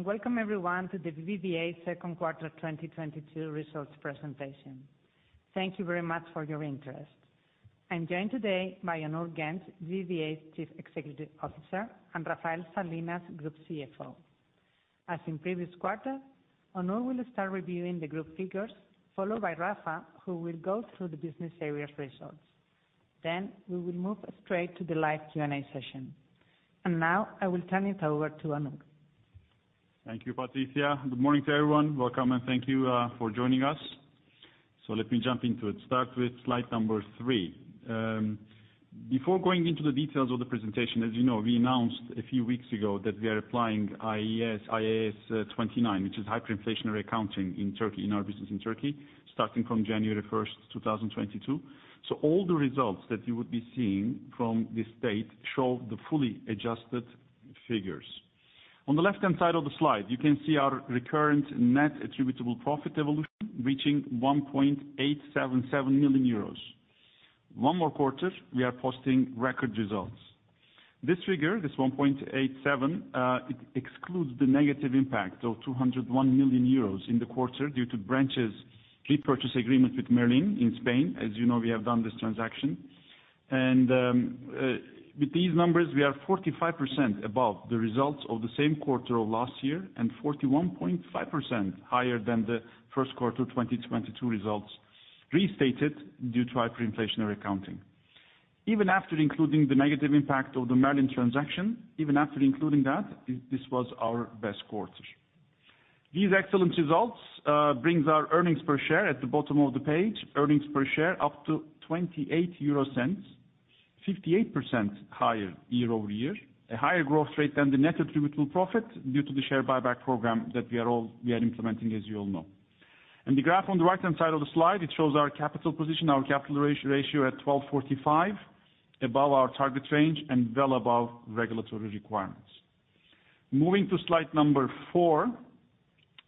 Welcome everyone to the BBVA second quarter 2022 results presentation. Thank you very much for your interest. I'm joined today by Onur Genç, BBVA's Chief Executive Officer, and Rafael Salinas, Group CFO. As in previous quarter, Onur will start reviewing the group figures, followed by Rafa, who will go through the business areas results. We will move straight to the live Q&A session. Now, I will turn it over to Onur. Thank you, Patricia. Good morning to everyone. Welcome, and thank you for joining us. Let me jump into it. Start with slide number three. Before going into the details of the presentation, as you know, we announced a few weeks ago that we are applying IAS 29, which is hyperinflationary accounting in Turkey, in our business in Turkey, starting from January 1, 2022. All the results that you would be seeing from this date show the fully adjusted figures. On the left-hand side of the slide, you can see our recurrent net attributable profit evolution reaching 1.877 million euros. One more quarter we are posting record results. This figure, this 1.877 million, it excludes the negative impact of 201 million euros in the quarter due to branches repurchase agreement with Merlin in Spain. As you know, we have done this transaction. With these numbers, we are 45% above the results of the same quarter of last year and 41.5% higher than the first quarter 2022 results restated due to hyperinflationary accounting. Even after including the negative impact of the Merlin transaction, even after including that, this was our best quarter. These excellent results brings our earnings per share at the bottom of the page. Earnings per share up to 0.28, 58% higher year-over-year. A higher growth rate than the net attributable profit due to the share buyback program that we are implementing, as you all know. In the graph on the right-hand side of the slide, it shows our capital position, our capital ratio at 12.45%, above our target range and well above regulatory requirements. Moving to slide number four,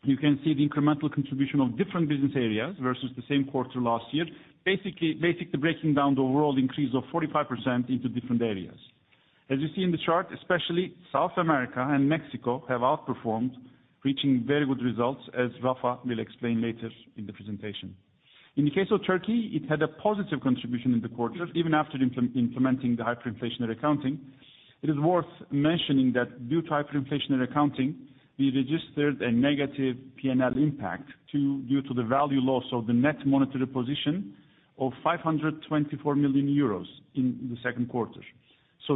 you can see the incremental contribution of different business areas versus the same quarter last year. Basically breaking down the overall increase of 45% into different areas. As you see in the chart, especially South America and Mexico have outperformed, reaching very good results, as Rafa will explain later in the presentation. In the case of Turkey, it had a positive contribution in the quarter even after implementing the hyperinflationary accounting. It is worth mentioning that due to hyperinflationary accounting, we registered a negative P&L impact to, due to the value loss of the net monetary position of 524 million euros in the second quarter.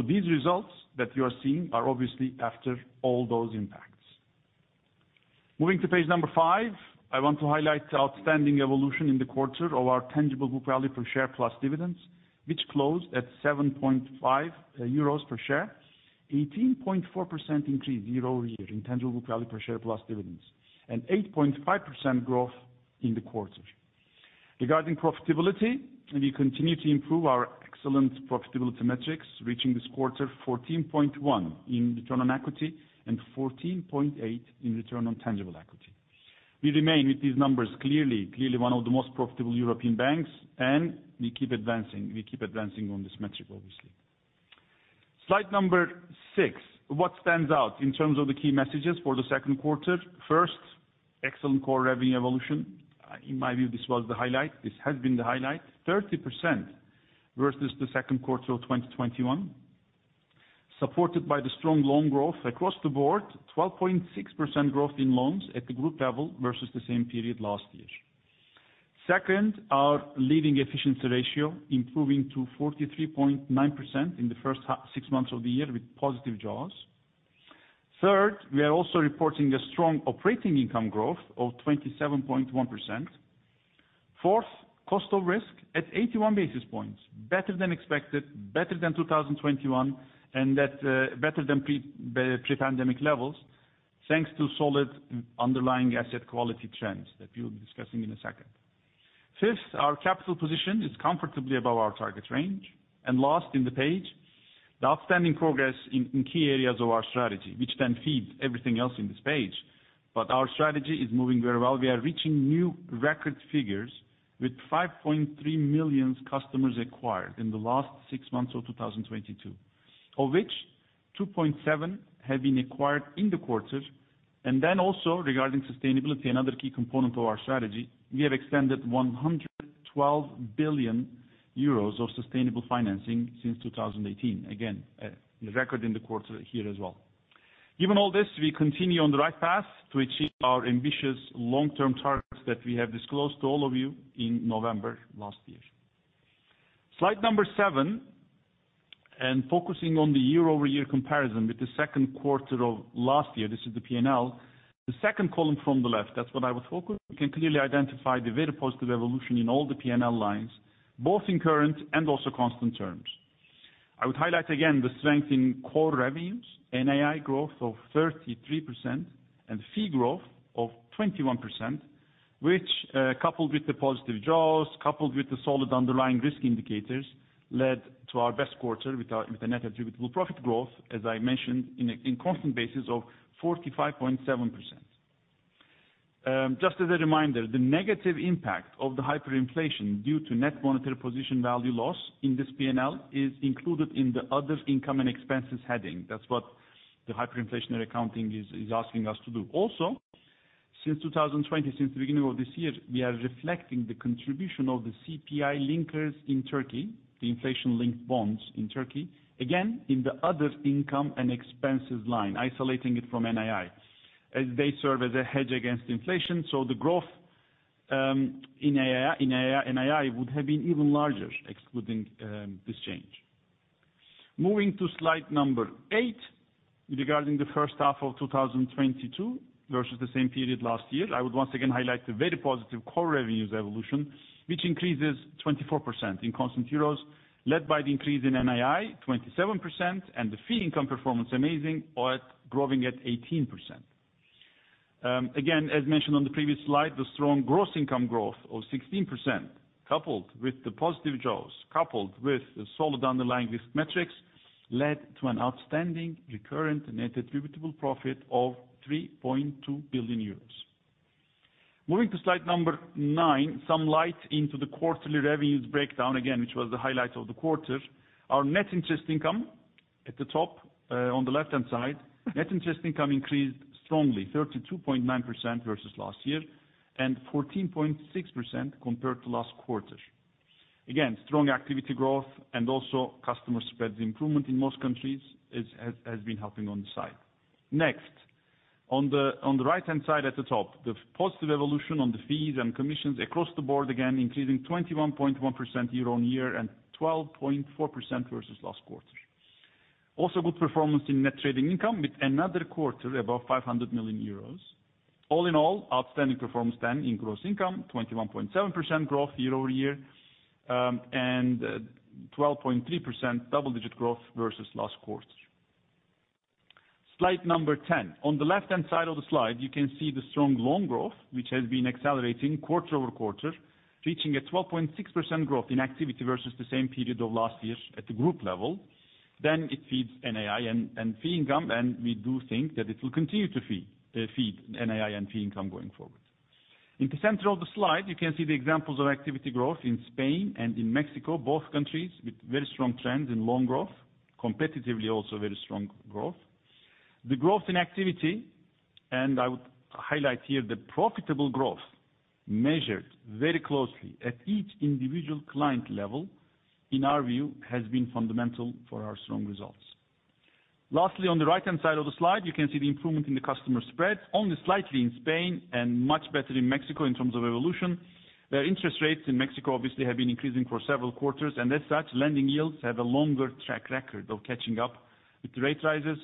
These results that you are seeing are obviously after all those impacts. Moving to page five, I want to highlight the outstanding evolution in the quarter of our tangible book value per share plus dividends, which closed at 7.5 euros per share, 18.4% increase year-over-year in tangible book value per share plus dividends, and 8.5% growth in the quarter. Regarding profitability, we continue to improve our excellent profitability metrics, reaching this quarter 14.1 in return on equity and 14.8 in return on tangible equity. We remain with these numbers, clearly one of the most profitable European banks, and we keep advancing on this metric, obviously. Slide six. What stands out in terms of the key messages for the second quarter? First, excellent core revenue evolution. In my view, this was the highlight. This has been the highlight. 30% versus the second quarter of 2021, supported by the strong loan growth across the board, 12.6% growth in loans at the group level versus the same period last year. Second, our leading efficiency ratio improving to 43.9% in the first half, six months of the year with positive jaws. Third, we are also reporting a strong operating income growth of 27.1%. Fourth, cost of risk at 81 basis points. Better than expected, better than 2021, and that better than pre-pandemic levels, thanks to solid underlying asset quality trends that we'll be discussing in a second. Fifth, our capital position is comfortably above our target range. Last in the page, the outstanding progress in key areas of our strategy, which then feeds everything else in this page. Our strategy is moving very well. We are reaching new record figures with 5.3 million customers acquired in the last six months of 2022, of which 2.7 million have been acquired in the quarter. Regarding sustainability, another key component of our strategy, we have extended 112 billion euros of sustainable financing since 2018. Again, a record in the quarter here as well. Given all this, we continue on the right path to achieve our ambitious long-term targets that we have disclosed to all of you in November last year. Slide seven, focusing on the year-over-year comparison with the second quarter of last year, this is the P&L. The second column from the left, that's what I would focus. We can clearly identify the very positive evolution in all the P&L lines, both in current and also constant terms. I would highlight again the strength in core revenues, NII growth of 33% and fee growth of 1%, which coupled with the positive jaws, coupled with the solid underlying risk indicators, led to our best quarter with the net attributable profit growth, as I mentioned in constant basis of 45.7%. Just as a reminder, the negative impact of the hyperinflation due to net monetary position value loss in this P&L is included in the other income and expenses heading. That's what the hyperinflationary accounting is asking us to do. Also, since 2020, since the beginning of this year, we are reflecting the contribution of the CPI linkers in Turkey, the inflation-linked bonds in Turkey, again, in the other income and expenses line, isolating it from NII as they serve as a hedge against inflation. The growth in NII would have been even larger excluding this change. Moving to slide eight, regarding the first half of 2022 versus the same period last year, I would once again highlight the very positive core revenues evolution, which increases 24% in constant EUR, led by the increase in NII 27%, and the fee income performance amazing or growing at 18%. Again, as mentioned on the previous slide, the strong gross income growth of 16%, coupled with the positive jaws, coupled with the solid underlying risk metrics, led to an outstanding recurrent net attributable profit of 3.2 billion euros. Moving to slide nine, sheds some light on the quarterly revenues breakdown again, which was the highlight of the quarter. Our net interest income at the top, on the left-hand side. Net interest income increased strongly 32.9% versus last year and 14.6% compared to last quarter. Again, strong activity growth and also customer spreads improvement in most countries has been helping on the side. Next, on the right-hand side at the top, the positive evolution on the fees and commissions across the board again increasing 21.1% year-on-year and 12.4% versus last quarter. Also good performance in net trading income with another quarter above 500 million euros. All in all, outstanding performance then in gross income, 21.7% growth year-over-year, and 12.3% double-digit growth versus last quarter. Slide 10. On the left-hand side of the slide, you can see the strong loan growth, which has been accelerating quarter-over-quarter, reaching a 12.6% growth in activity versus the same period of last year at the group level. It feeds NII and fee income, and we do think that it will continue to feed NII and fee income going forward. In the center of the slide, you can see the examples of activity growth in Spain and in Mexico, both countries with very strong trends in loan growth, competitively also very strong growth. The growth in activity, and I would highlight here the profitable growth measured very closely at each individual client level, in our view, has been fundamental for our strong results. Lastly, on the right-hand side of the slide, you can see the improvement in the customer spreads only slightly in Spain and much better in Mexico in terms of evolution, where interest rates in Mexico obviously have been increasing for several quarters, and as such, lending yields have a longer track record of catching up with rate rises.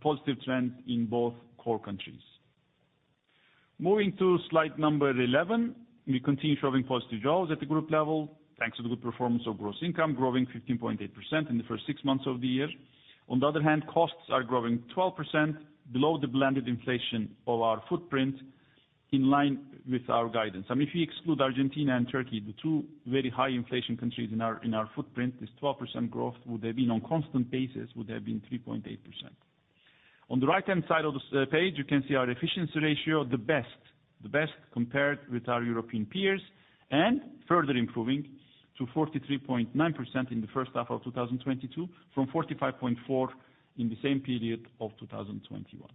Positive trend in both core countries. Moving to slide 11, we continue showing positive jaws at the group level, thanks to the good performance of gross income, growing 15.8% in the first six months of the year. On the other hand, costs are growing 12% below the blended inflation of our footprint in line with our guidance. I mean, if you exclude Argentina and Turkey, the two very high inflation countries in our footprint, this 12% growth would have been on constant basis 3.8%. On the right-hand side of this page, you can see our efficiency ratio the best compared with our European peers and further improving to 43.9% in the first half of 2022 from 45.4% in the same period of 2021.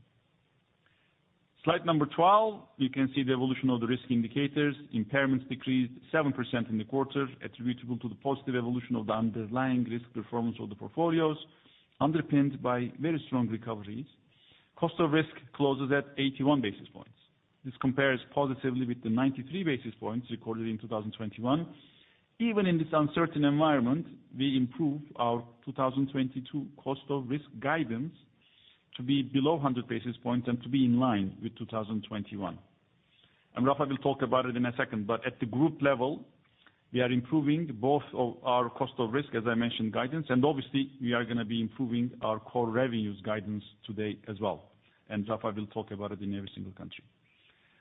Slide 12, you can see the evolution of the risk indicators. Impairments decreased 7% in the quarter attributable to the positive evolution of the underlying risk performance of the portfolios, underpinned by very strong recoveries. Cost of risk closes at 81 basis points. This compares positively with the 93 basis points recorded in 2021. Even in this uncertain environment, we improve our 2022 cost of risk guidance to be below 100 basis points and to be in line with 2021. Rafael will talk about it in a second, but at the group level, we are improving both of our cost of risk, as I mentioned, guidance, and obviously we are going to be improving our core revenues guidance today as well. Rafael will talk about it in every single country.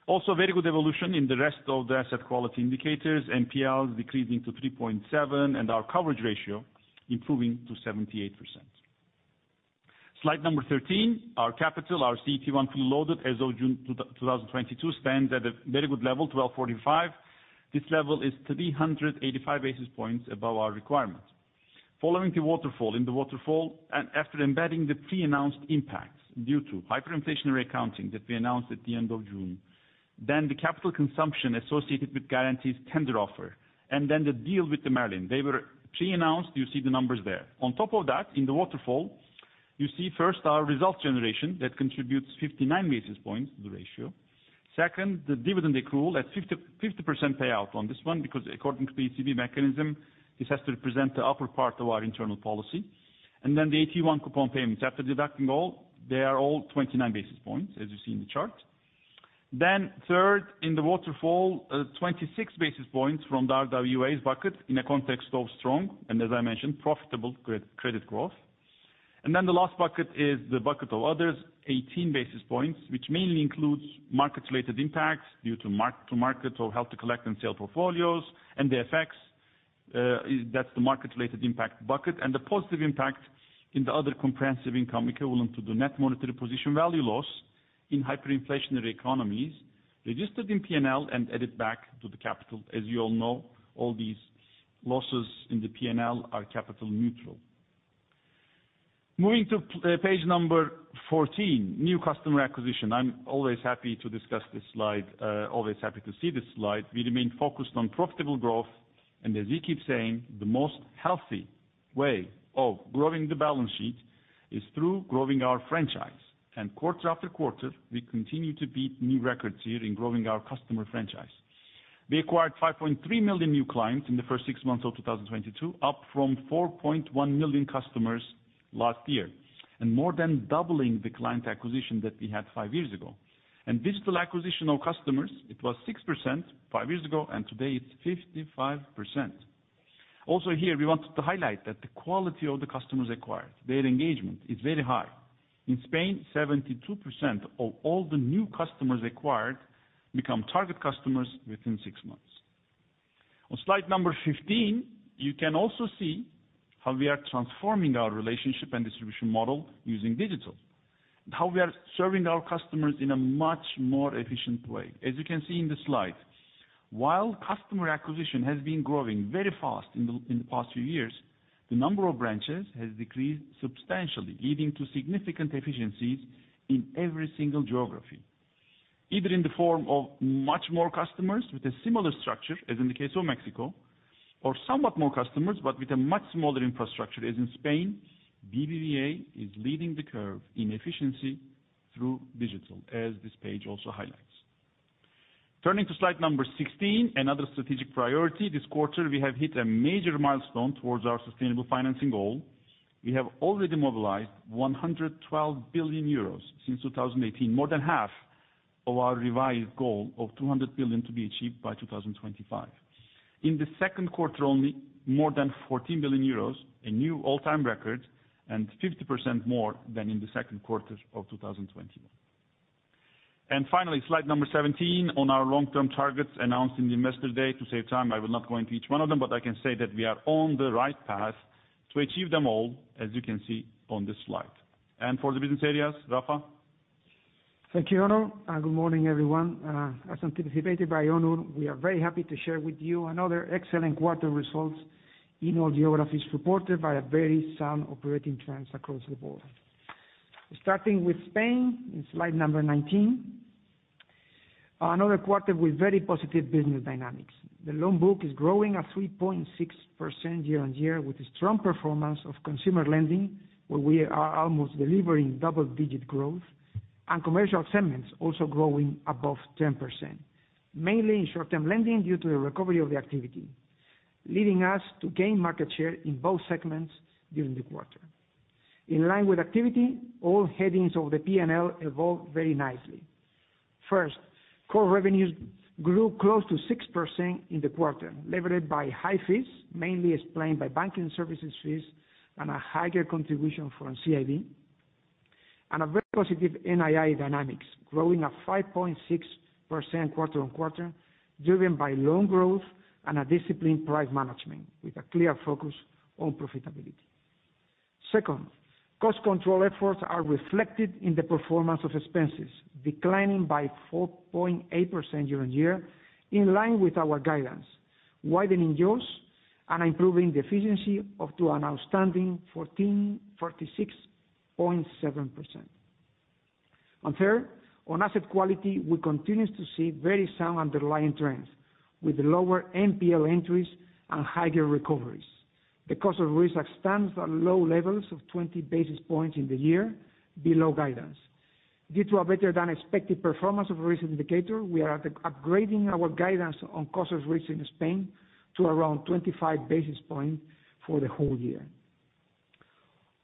Also, very good evolution in the rest of the asset quality indicators. NPLs decreasing to 3.7 and our coverage ratio improving to 78%. Slide 13, our capital, our CET1 fully loaded as of June 2022, stands at a very good level, 12.45. This level is 385 basis points above our requirements. Following the waterfall, after embedding the pre-announced impacts due to hyperinflationary accounting that we announced at the end of June. The capital consumption associated with Garanti tender offer, and then the deal with Merlin. They were pre-announced. You see the numbers there. On top of that, in the waterfall, you see first our results generation that contributes 59 basis points to the ratio. Second, the dividend accrual at 50, 50% payout on this one, because according to the ECB mechanism, this has to represent the upper part of our internal policy. The AT1 coupon payments. After deducting all, they are all 29 basis points, as you see in the chart. Third, in the waterfall, 26 basis points from the RWAs bucket in a context of strong, and as I mentioned, profitable credit growth. The last bucket is the bucket of others, 18 basis points, which mainly includes market-related impacts due to mark-to-market or held to collect and sell portfolios and the effects. That's the market-related impact bucket, and the positive impact in the other comprehensive income equivalent to the net monetary position value loss in hyperinflationary economies registered in P&L and added back to the capital. As you all know, all these losses in the P&L are capital neutral. Moving to page number 14, new customer acquisition. I'm always happy to discuss this slide, always happy to see this slide. We remain focused on profitable growth, and as we keep saying, the most healthy way of growing the balance sheet is through growing our franchise. Quarter after quarter, we continue to beat new records here in growing our customer franchise. We acquired 5.3 million new clients in the first six months of 2022, up from 4.1 million customers last year, and more than doubling the client acquisition that we had five years ago. Digital acquisition of customers, it was 6% five years ago, and today it's 55%. Also here, we wanted to highlight that the quality of the customers acquired, their engagement is very high. In Spain, 72% of all the new customers acquired become target customers within six months. On slide number 15, you can also see how we are transforming our relationship and distribution model using digital, and how we are serving our customers in a much more efficient way. As you can see in the slide, while customer acquisition has been growing very fast in the past few years, the number of branches has decreased substantially, leading to significant efficiencies in every single geography. Either in the form of much more customers with a similar structure, as in the case of Mexico, or somewhat more customers, but with a much smaller infrastructure, as in Spain, BBVA is leading the curve in efficiency through digital, as this page also highlights. Turning to slide number 16, another strategic priority. This quarter, we have hit a major milestone towards our sustainable financing goal. We have already mobilized 112 billion euros since 2018, more than half of our revised goal of 200 billion to be achieved by 2025. In the second quarter only, more than 14 billion euros, a new all-time record, and 50% more than in the second quarter of 2021. Finally, slide number 17 on our long-term targets announced in the investor day. To save time, I will not go into each one of them, but I can say that we are on the right path to achieve them all, as you can see on this slide. For the business areas, Rafa? Thank you, Onur, and good morning, everyone. As anticipated by Onur, we are very happy to share with you another excellent quarter results in all geographies supported by very sound operating trends across the board. Starting with Spain, in slide number 19, another quarter with very positive business dynamics. The loan book is growing at 3.6% year-on-year, with a strong performance of consumer lending, where we are almost delivering double-digit growth, and commercial segments also growing above 10%, mainly in short-term lending due to the recovery of the activity, leading us to gain market share in both segments during the quarter. In line with activity, all headings of the P&L evolved very nicely. First, core revenues grew close to 6% in the quarter, levered by high fees, mainly explained by banking services fees and a higher contribution from CIB, and a very positive NII dynamics, growing at 5.6% quarter on quarter, driven by loan growth and a disciplined price management, with a clear focus on profitability. Second, cost control efforts are reflected in the performance of expenses, declining by 4.8% year on year, in line with our guidance, widening yields and improving the efficiency up to an outstanding 46.7%. Third, on asset quality, we continue to see very sound underlying trends, with lower NPL entries and higher recoveries. The cost of risk stands at low levels of 20 basis points in the year below guidance. Due to a better-than-expected performance of risk indicator, we are upgrading our guidance on cost of risk in Spain to around 25 basis points for the whole year.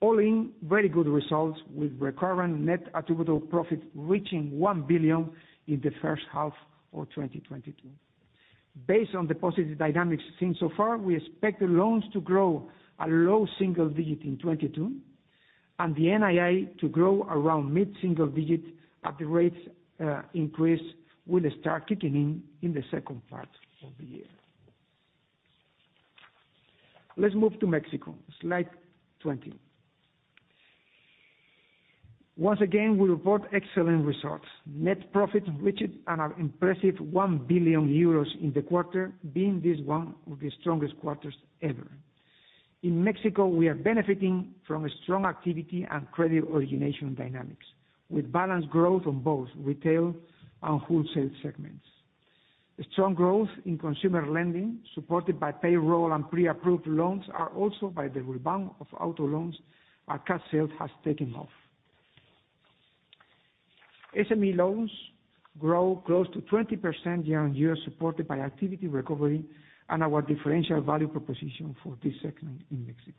All in, very good results, with recurrent net attributable profit reaching 1 billion in the first half of 2022. Based on the positive dynamics seen so far, we expect the loans to grow at low single digits in 2022, and the NII to grow around mid-single digits as the rates increase will start kicking in in the second part of the year. Let's move to Mexico, slide 20. Once again, we report excellent results. Net profit reached an impressive 1 billion euros in the quarter, being this one of the strongest quarters ever. In Mexico, we are benefiting from a strong activity and credit origination dynamics, with balanced growth on both retail and wholesale segments. Strong growth in consumer lending, supported by payroll and pre-approved loans as well as by the rebound of auto loans, our car sales has taken off. SME loans grow close to 20% year-on-year, supported by activity recovery and our differential value proposition for this segment in Mexico.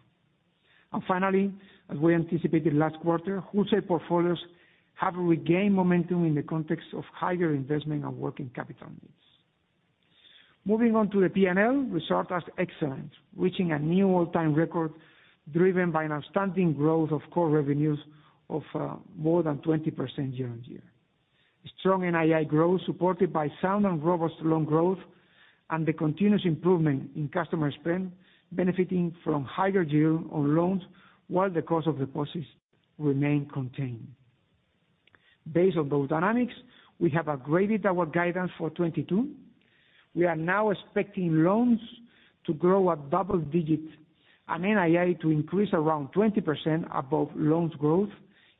Finally, as we anticipated last quarter, wholesale portfolios have regained momentum in the context of higher investment and working capital needs. Moving on to the P&L, results are excellent, reaching a new all-time record, driven by an outstanding growth of core revenues of more than 20% year-on-year. Strong NII growth supported by sound and robust loan growth and the continuous improvement in customer spend, benefiting from higher yield on loans while the cost of deposits remain contained. Based on those dynamics, we have upgraded our guidance for 2022. We are now expecting loans to grow at double digits and NII to increase around 20% above loans growth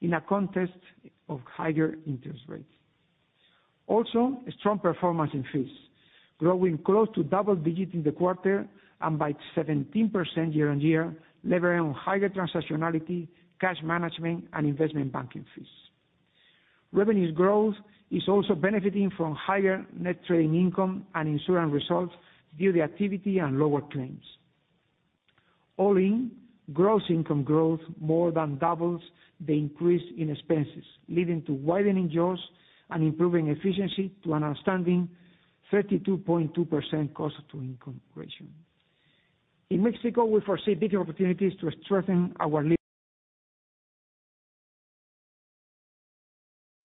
in a context of higher interest rates. Also, a strong performance in fees, growing close to double digits in the quarter and by 17% year-on-year, leveraging on higher transactionality, cash management, and investment banking fees. Revenues growth is also benefiting from higher net trading income and insurance results due to activity and lower claims. All in, gross income growth more than doubles the increase in expenses, leading to widening jaws and improving efficiency to an outstanding 32.2% cost-to-income ratio. In Mexico, we foresee big opportunities to strengthen our lead.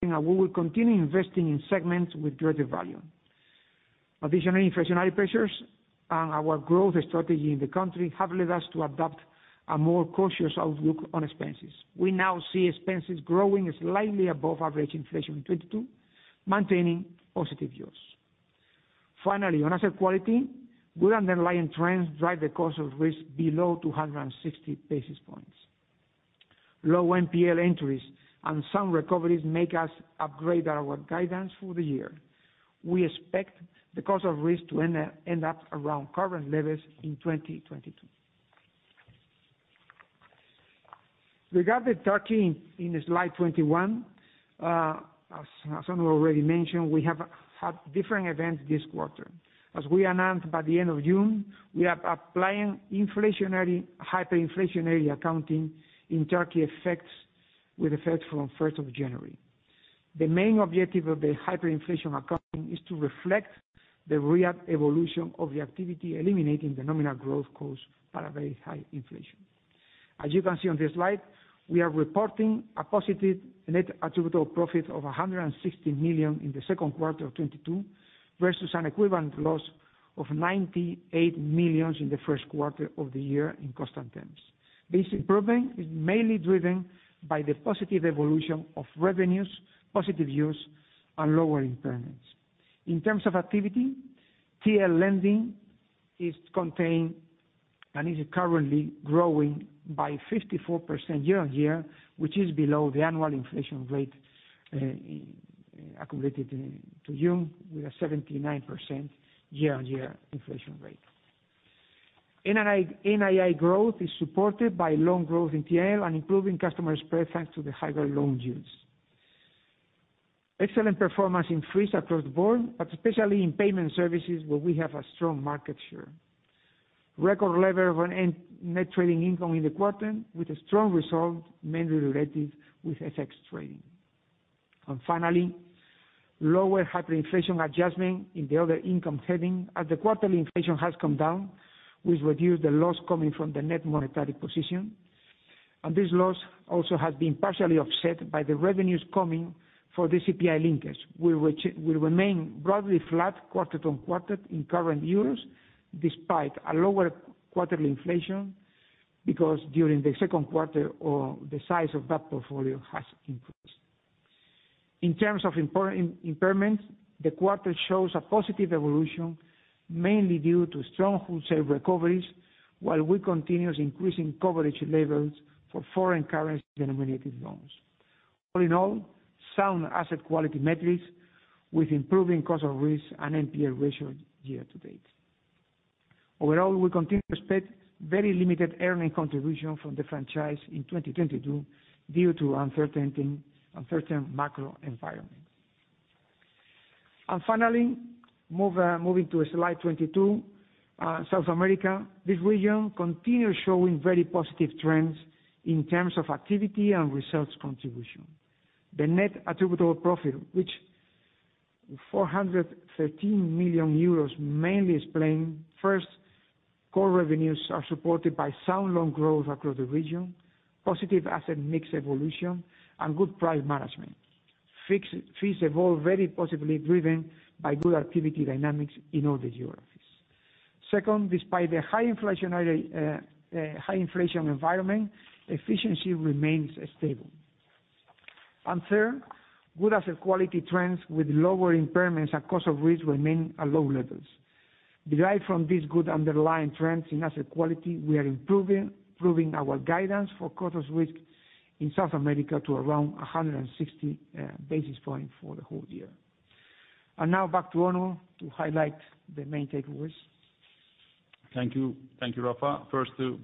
We will continue investing in segments with greater value. Additionally, inflationary pressures on our growth strategy in the country have led us to adopt a more cautious outlook on expenses. We now see expenses growing slightly above average inflation in 2022, maintaining positive jaws. Finally, on asset quality, good underlying trends drive the cost of risk below 260 basis points. Low NPL entries and some recoveries make us upgrade our guidance for the year. We expect the cost of risk to end up around current levels in 2022. Regarding Turkey, in slide 21, as Onur already mentioned, we have had different events this quarter. As we announced by the end of June, we are applying hyperinflationary accounting in Turkey with effect from first of January. The main objective of the hyperinflation accounting is to reflect the real evolution of the activity, eliminating the nominal growth caused by the very high inflation. As you can see on this slide, we are reporting a positive net attributable profit of 160 million in the second quarter of 2022, versus an equivalent loss of 98 million in the first quarter of the year in constant terms. This improvement is mainly driven by the positive evolution of revenues, positive yields, and lower impairments. In terms of activity, TL lending is contained and is currently growing by 54% year-on-year, which is below the annual inflation rate accumulated to June, with a 79% year-on-year inflation rate. NII growth is supported by loan growth in TL and improving customer spreads thanks to the higher loan yields. Excellent performance in fees across the board, but especially in payment services where we have a strong market share. Record level of net trading income in the quarter, with strong results mainly related with FX trading. Finally, lower hyperinflation adjustment in the other income heading as the quarterly inflation has come down, which reduced the loss coming from the net monetary position. This loss also has been partially offset by the revenues coming for the CPI linkers, which will remain broadly flat quarter on quarter in current euros, despite a lower quarterly inflation, because during the second quarter the size of that portfolio has increased. In terms of impairments, the quarter shows a positive evolution, mainly due to strong wholesale recoveries, while we continue increasing coverage levels for foreign currency denominated loans. All in all, sound asset quality metrics with improving cost of risk and NPL ratio year to date. Overall, we continue to expect very limited earning contribution from the franchise in 2022 due to uncertain macro environment. Finally, moving to slide 22, South America. This region continues showing very positive trends in terms of activity and results contribution. The net attributable profit was 413 million euros, mainly explained by, first, core revenues are supported by sound loan growth across the region, positive asset mix evolution, and good price management. Fees evolve very positively driven by good activity dynamics in all the geographies. Second, despite the high inflation environment, efficiency remains stable. Third, good asset quality trends with lower impairments and cost of risk remain at low levels. Derived from these good underlying trends in asset quality, we are improving our guidance for cost of risk in South America to around 160 basis points for the whole year. Now back to Onur to highlight the main takeaways. Thank you. Thank you, Rafa. First, in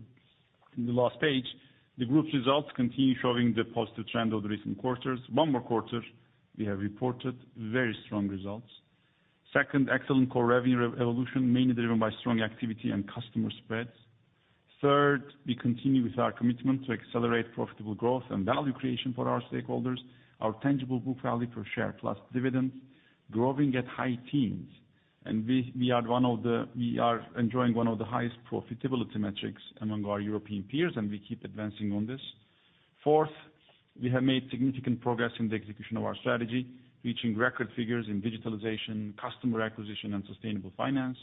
the last page, the group's results continue showing the positive trend of the recent quarters. One more quarter we have reported very strong results. Second, excellent core revenue evolution, mainly driven by strong activity and customer spreads. Third, we continue with our commitment to accelerate profitable growth and value creation for our stakeholders. Our tangible book value per share plus dividend growing at high teens. We are enjoying one of the highest profitability metrics among our European peers, and we keep advancing on this. Fourth, we have made significant progress in the execution of our strategy, reaching record figures in digitalization, customer acquisition, and sustainable finance.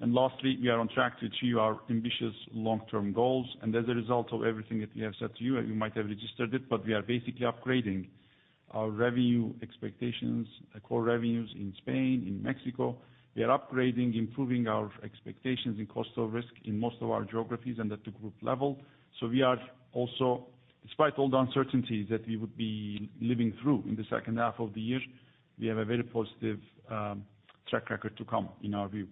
Lastly, we are on track to achieve our ambitious long-term goals. As a result of everything that we have said to you might have registered it, but we are basically upgrading our revenue expectations, core revenues in Spain, in Mexico. We are upgrading, improving our expectations in cost of risk in most of our geographies and at the group level. We are also, despite all the uncertainties that we would be living through in the second half of the year, we have a very positive, track record to come in our view.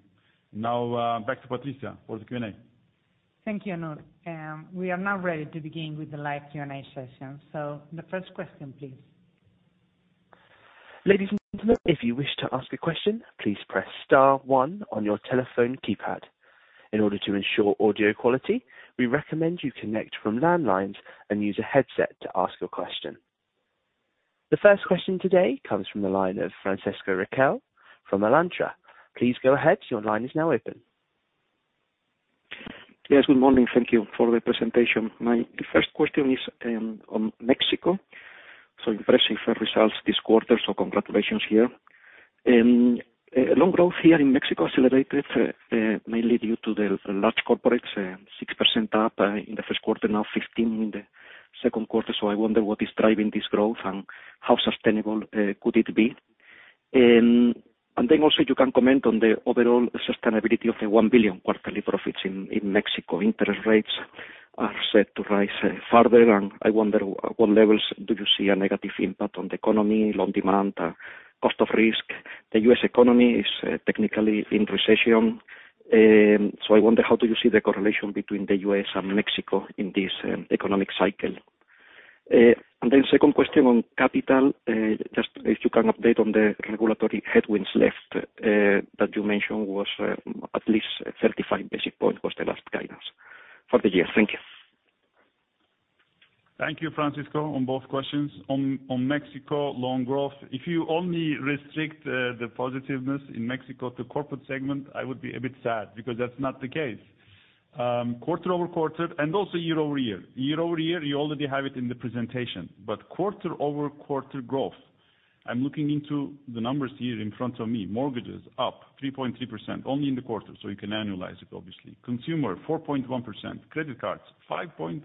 Now, back to Patricia for the Q&A. Thank you, Onur. We are now ready to begin with the live Q&A session. The first question, please. Ladies and gentlemen, if you wish to ask a question, please press star one on your telephone keypad. In order to ensure audio quality, we recommend you connect from landlines and use a headset to ask your question. The first question today comes from the line of Francisco Riquel from Alantra. Please go ahead. Your line is now open. Yes. Good morning. Thank you for the presentation. The first question is on Mexico. Impressive results this quarter, so congratulations here. Loan growth here in Mexico accelerated, mainly due to the large corporates, 6% up in the first quarter, now 15% in the second quarter. I wonder what is driving this growth and how sustainable could it be? And then also you can comment on the overall sustainability of the 1 billion quarterly profits in Mexico. Interest rates are set to rise farther, and I wonder at what levels do you see a negative impact on the economy, loan demand, cost of risk? The U.S. economy is technically in recession. I wonder how do you see the correlation between the U.S. and Mexico in this economic cycle? Second question on capital. Just if you can update on the regulatory headwinds left, that you mentioned, at least 35 basis points was the last guidance for the year. Thank you. Thank you, Francisco, on both questions. On Mexico loan growth, if you only restrict the positiveness in Mexico to corporate segment, I would be a bit sad because that's not the case. Quarter-over-quarter and also year-over-year. Year-over-year, you already have it in the presentation. Quarter-over-quarter growth, I'm looking into the numbers here in front of me. Mortgages up 3.3% only in the quarter, so you can annualize it, obviously. Consumer 4.1%. Credit cards 5.4%.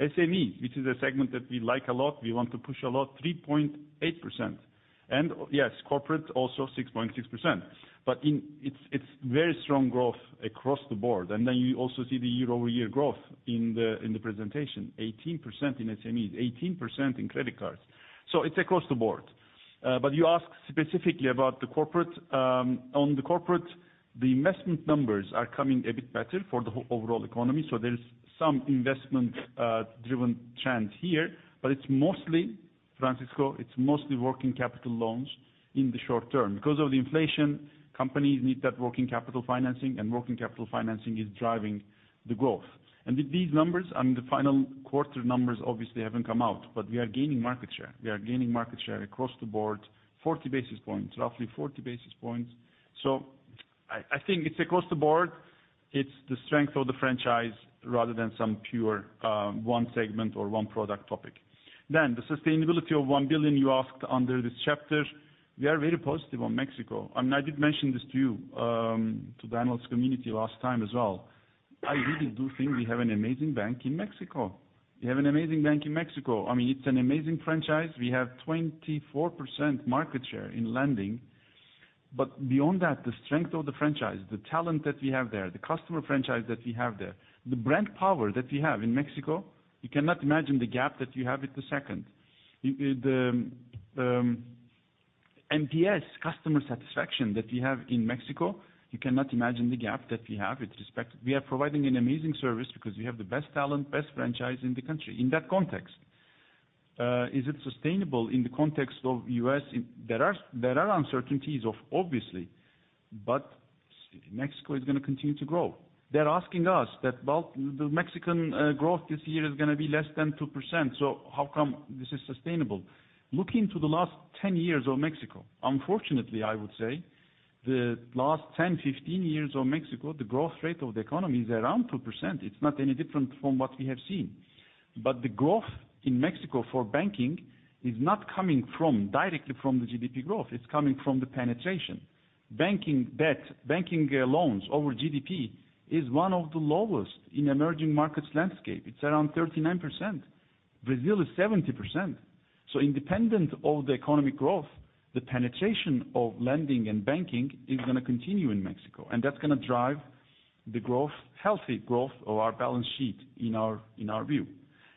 SME, which is a segment that we like a lot, we want to push a lot, 3.8%. Yes, corporate also 6.6%. It's very strong growth across the board. You also see the year-over-year growth in the presentation. 18% in SMEs, 18% in credit cards. It's across the board. But you asked specifically about the corporate. On the corporate, the investment numbers are coming a bit better for the overall economy. There is some investment driven trend here, but it's mostly, Francisco, it's mostly working capital loans in the short term. Because of the inflation, companies need that working capital financing, and working capital financing is driving the growth. With these numbers, and the final quarter numbers obviously haven't come out, but we are gaining market share. We are gaining market share across the board, 40 basis points, roughly 40 basis points. I think it's across the board. It's the strength of the franchise rather than some pure one segment or one product topic. The sustainability of 1 billion you asked under this chapter. We are very positive on Mexico, and I did mention this to you, to the analyst community last time as well. I really do think we have an amazing bank in Mexico. We have an amazing bank in Mexico. I mean, it's an amazing franchise. We have 24% market share in lending. Beyond that, the strength of the franchise, the talent that we have there, the customer franchise that we have there, the brand power that we have in Mexico, you cannot imagine the gap that you have with the second. NPS customer satisfaction that we have in Mexico, you cannot imagine the gap that we have with the rest. We are providing an amazing service because we have the best talent, best franchise in the country. In that context, is it sustainable in the context of U.S.? There are uncertainties, obviously, but Mexico is gonna continue to grow. They're asking us that, well, the Mexican growth this year is gonna be less than 2%, so how come this is sustainable? Look into the last 10 years of Mexico. Unfortunately, I would say, the last 10 years, 15 years of Mexico, the growth rate of the economy is around 2%. It's not any different from what we have seen. The growth in Mexico for banking is not coming from, directly from the GDP growth. It's coming from the penetration. Banking debt, banking loans over GDP is one of the lowest in emerging markets landscape. It's around 39%. Brazil is 70%. Independent of the economic growth, the penetration of lending and banking is gonna continue in Mexico, and that's gonna drive the growth, healthy growth of our balance sheet in our view.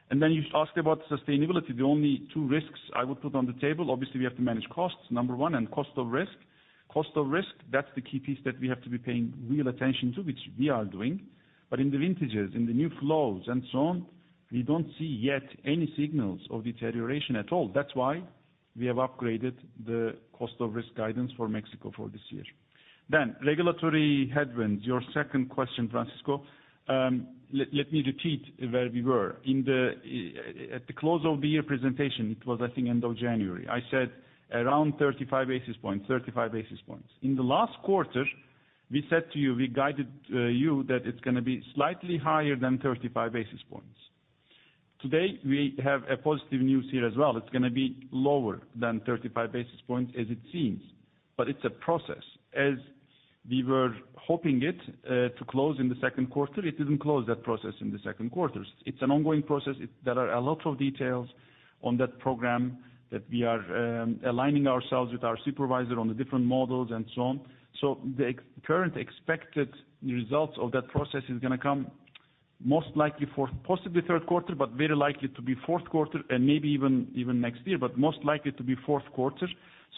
Then you asked about sustainability. The only two risks I would put on the table, obviously we have to manage costs, number one, and cost of risk. Cost of risk, that's the key piece that we have to be paying real attention to, which we are doing. In the vintages, in the new flows and so on, we don't see yet any signals of deterioration at all. That's why we have upgraded the cost of risk guidance for Mexico for this year. Regulatory headwinds, your second question, Francisco. Let me repeat where we were. At the close of the year presentation, it was I think end of January. I said around 35 basis points. In the last quarter, we said to you, we guided you that it's gonna be slightly higher than 35 basis points. Today we have a positive news here as well. It's gonna be lower than 35 basis points as it seems. It's a process. As we were hoping it to close in the second quarter, it didn't close that process in the second quarters. It's an ongoing process. There are a lot of details on that program that we are aligning ourselves with our supervisor on the different models and so on. The expected results of that process is gonna come most likely for possibly third quarter, but very likely to be fourth quarter and maybe even next year, but most likely to be fourth quarter.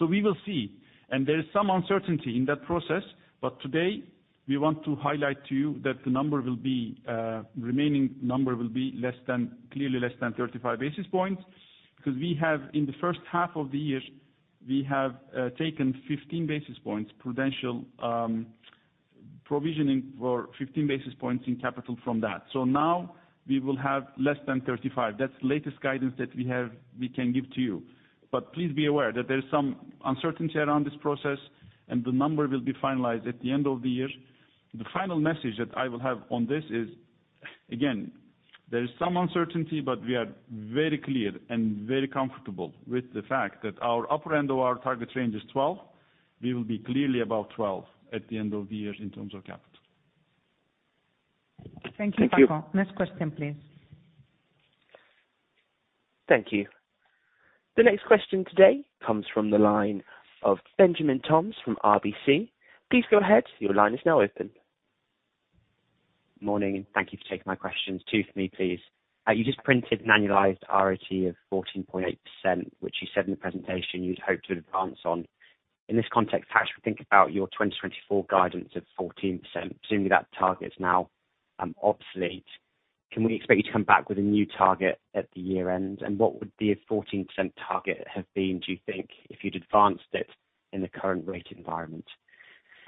We will see. There is some uncertainty in that process, but today we want to highlight to you that the number will be remaining number will be less than, clearly less than 35 basis points. 'Cause we have in the first half of the year we have taken 15 basis points prudential provisioning for 15 basis points in capital from that. Now we will have less than 35 basis points. That's latest guidance that we have we can give to you. Please be aware that there's some uncertainty around this process, and the number will be finalized at the end of the year. The final message that I will have on this is, again, there is some uncertainty, but we are very clear and very comfortable with the fact that our upper end of our target range is 12 basis points. We will be clearly above 12 basis points at the end of the year in terms of capital. Thank you, Francisco. Thank you. Next question, please. Thank you. The next question today comes from the line of Benjamin Toms from RBC. Please go ahead. Your line is now open. Morning, and thank you for taking my questions. Two for me, please. You just printed an annualized ROTE of 14.8%, which you said in the presentation you'd hope to advance on. In this context, how should we think about your 2024 guidance of 14%, assuming that target is now obsolete? Can we expect you to come back with a new target at the year-end? What would the 14% target have been, do you think, if you'd advanced it in the current rate environment?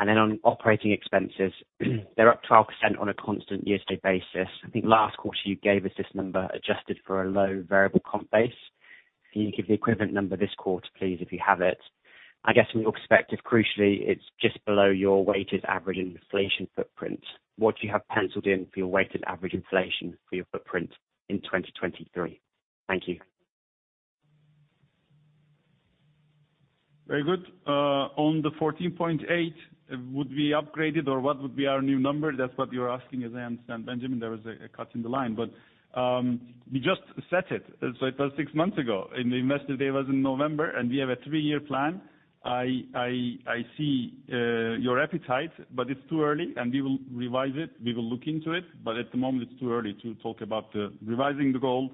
Then on operating expenses, they're up 12% on a constant year-to-date basis. I think last quarter you gave us this number adjusted for a low variable comp base. Can you give the equivalent number this quarter, please, if you have it? I guess from your perspective, crucially, it's just below your weighted average inflation footprint. What do you have penciled in for your weighted average inflation for your footprint in 2023? Thank you. Very good. On the 14.8%, would we upgrade it or what would be our new number? That's what you're asking, as I understand, Benjamin. There was a cut in the line. We just set it. It was six months ago, and the investor day was in November, and we have a three-year plan. I see your appetite, but it's too early and we will revise it. We will look into it. At the moment, it's too early to talk about revising the goal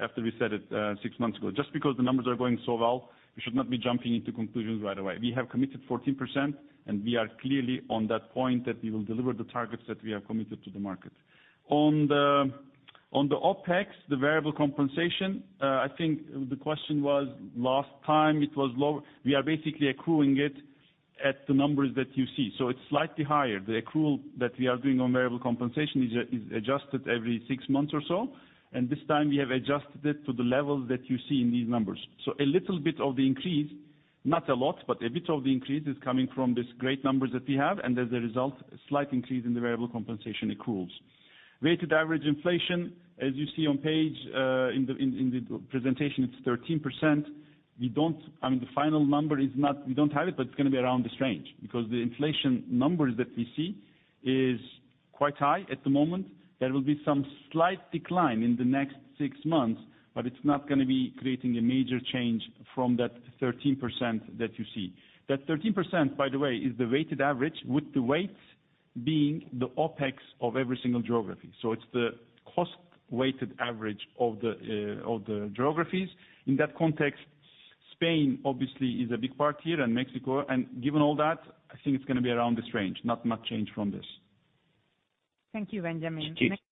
after we set it six months ago. Just because the numbers are going so well, we should not be jumping to conclusions right away. We have committed 14%, and we are clearly on that point that we will deliver the targets that we have committed to the market. On the OpEx, the variable compensation, I think the question was last time it was low. We are basically accruing it at the numbers that you see. It's slightly higher. The accrual that we are doing on variable compensation is adjusted every six months or so, and this time we have adjusted it to the levels that you see in these numbers. A little bit of the increase, not a lot, but a bit of the increase is coming from these great numbers that we have, and as a result, a slight increase in the variable compensation accruals. Weighted average inflation, as you see on page in the presentation, it's 13%. We don't. I mean, the final number is not, we don't have it, but it's gonna be around this range because the inflation numbers that we see is quite high at the moment. There will be some slight decline in the next six months, but it's not gonna be creating a major change from that 13% that you see. That 13%, by the way, is the weighted average, with the weights being the OpEx of every single geography. It's the cost-weighted average of the geographies. In that context, Spain obviously is a big part here and Mexico, and given all that, I think it's gonna be around this range. Not much change from this. Thank you, Benjamin. Thank you. Next.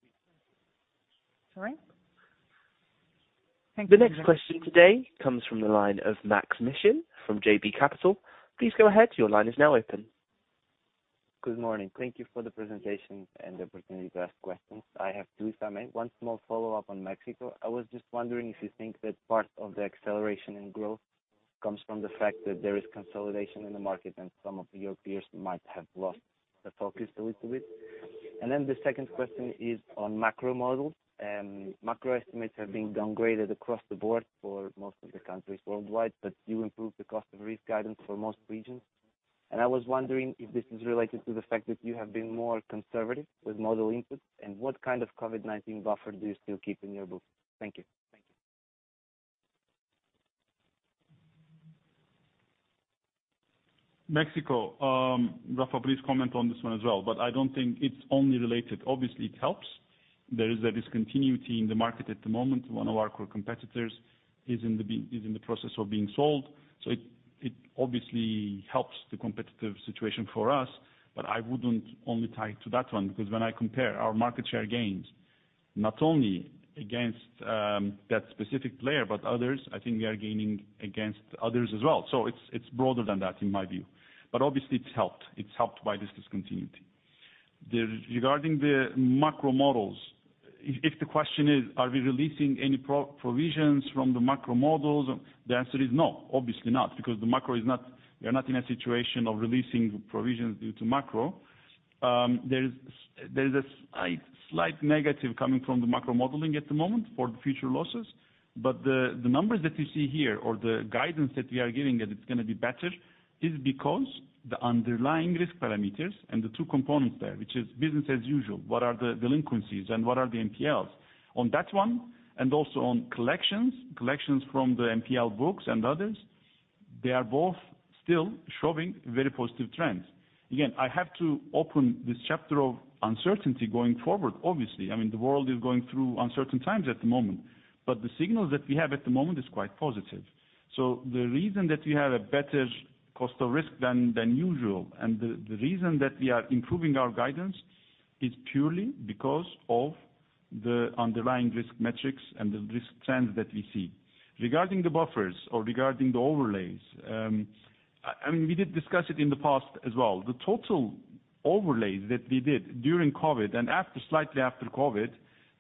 Sorry. Thank you, Benjamin. The next question today comes from the line of Maksym Mishyn from JB Capital. Please go ahead. Your line is now open. Good morning. Thank you for the presentation and the opportunity to ask questions. I have two if I may. One small follow-up on Mexico. I was just wondering if you think that part of the acceleration in growth comes from the fact that there is consolidation in the market and some of your peers might have lost the focus a little bit. The second question is on macro models. Macro estimates have been downgraded across the board for most of the countries worldwide, but you improved the cost of risk guidance for most regions. I was wondering if this is related to the fact that you have been more conservative with model inputs, and what kind of COVID-19 buffer do you still keep in your books? Thank you. Thank you. Mexico, Rafa, please comment on this one as well, but I don't think it's only related. Obviously, it helps. There is a discontinuity in the market at the moment. One of our core competitors is in the process of being sold. It obviously helps the competitive situation for us. I wouldn't only tie it to that one, because when I compare our market share gains not only against that specific player, but others, I think we are gaining against others as well. It's broader than that in my view. Obviously it's helped. It's helped by this discontinuity. Regarding the macro models, if the question is, are we releasing any provisions from the macro models, the answer is no, obviously not, because the macro is not. We are not in a situation of releasing provisions due to macro. There is a slight negative coming from the macro modeling at the moment for the future losses. The numbers that you see here or the guidance that we are giving that it's gonna be better is because the underlying risk parameters and the two components there, which is business as usual, what are the delinquencies and what are the NPLs. On that one, and also on collections from the NPL books and others, they are both still showing very positive trends. Again, I have to open this chapter of uncertainty going forward, obviously. I mean, the world is going through uncertain times at the moment, but the signals that we have at the moment is quite positive. The reason that we have a better cost of risk than usual, and the reason that we are improving our guidance is purely because of the underlying risk metrics and the risk trends that we see. Regarding the buffers or regarding the overlays, I mean, we did discuss it in the past as well. The total overlays that we did during COVID and after, slightly after COVID,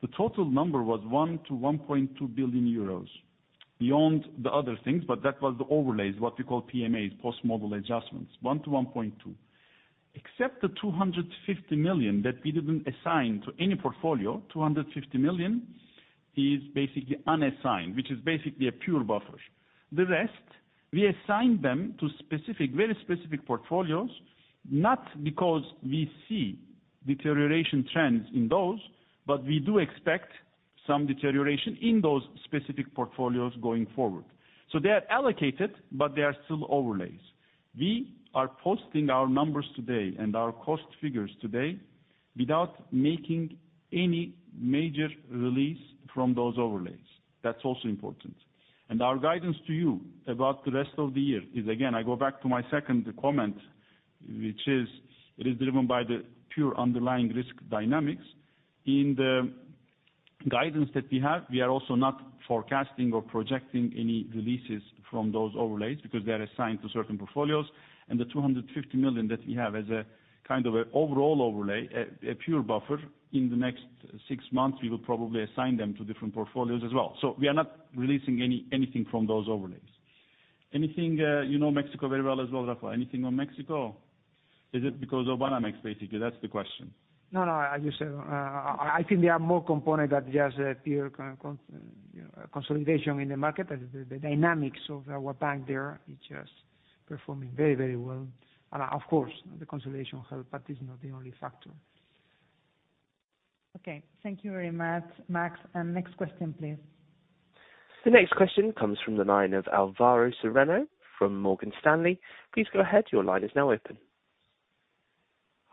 the total number was 1 billion-1.2 billion euros beyond the other things, but that was the overlays, what we call PMAs, post model adjustments, 1 billion-1.2 billion. Except the 250 million that we didn't assign to any portfolio, 250 million is basically unassigned, which is basically a pure buffers. The rest, we assign them to specific, very specific portfolios, not because we see deterioration trends in those, but we do expect some deterioration in those specific portfolios going forward. They are allocated, but they are still overlays. We are posting our numbers today and our cost figures today without making any major release from those overlays. That's also important. Our guidance to you about the rest of the year is, again, I go back to my second comment, which is, it is driven by the pure underlying risk dynamics. In the guidance that we have, we are also not forecasting or projecting any releases from those overlays because they are assigned to certain portfolios. The 250 million that we have as a kind of an overall overlay, a pure buffer, in the next six months, we will probably assign them to different portfolios as well. We are not releasing anything from those overlays. Anything, you know Mexico very well as well, Rafael. Anything on Mexico? Is it because of Citibanamex, basically? That's the question. No, no, as you said, I think there are more component than just a pure consolidation in the market. The dynamics of our bank there is just performing very, very well. Of course, the consolidation help, but is not the only factor. Okay. Thank you very much, Maksym. Next question, please. The next question comes from the line of Alvaro Serrano from Morgan Stanley. Please go ahead. Your line is now open.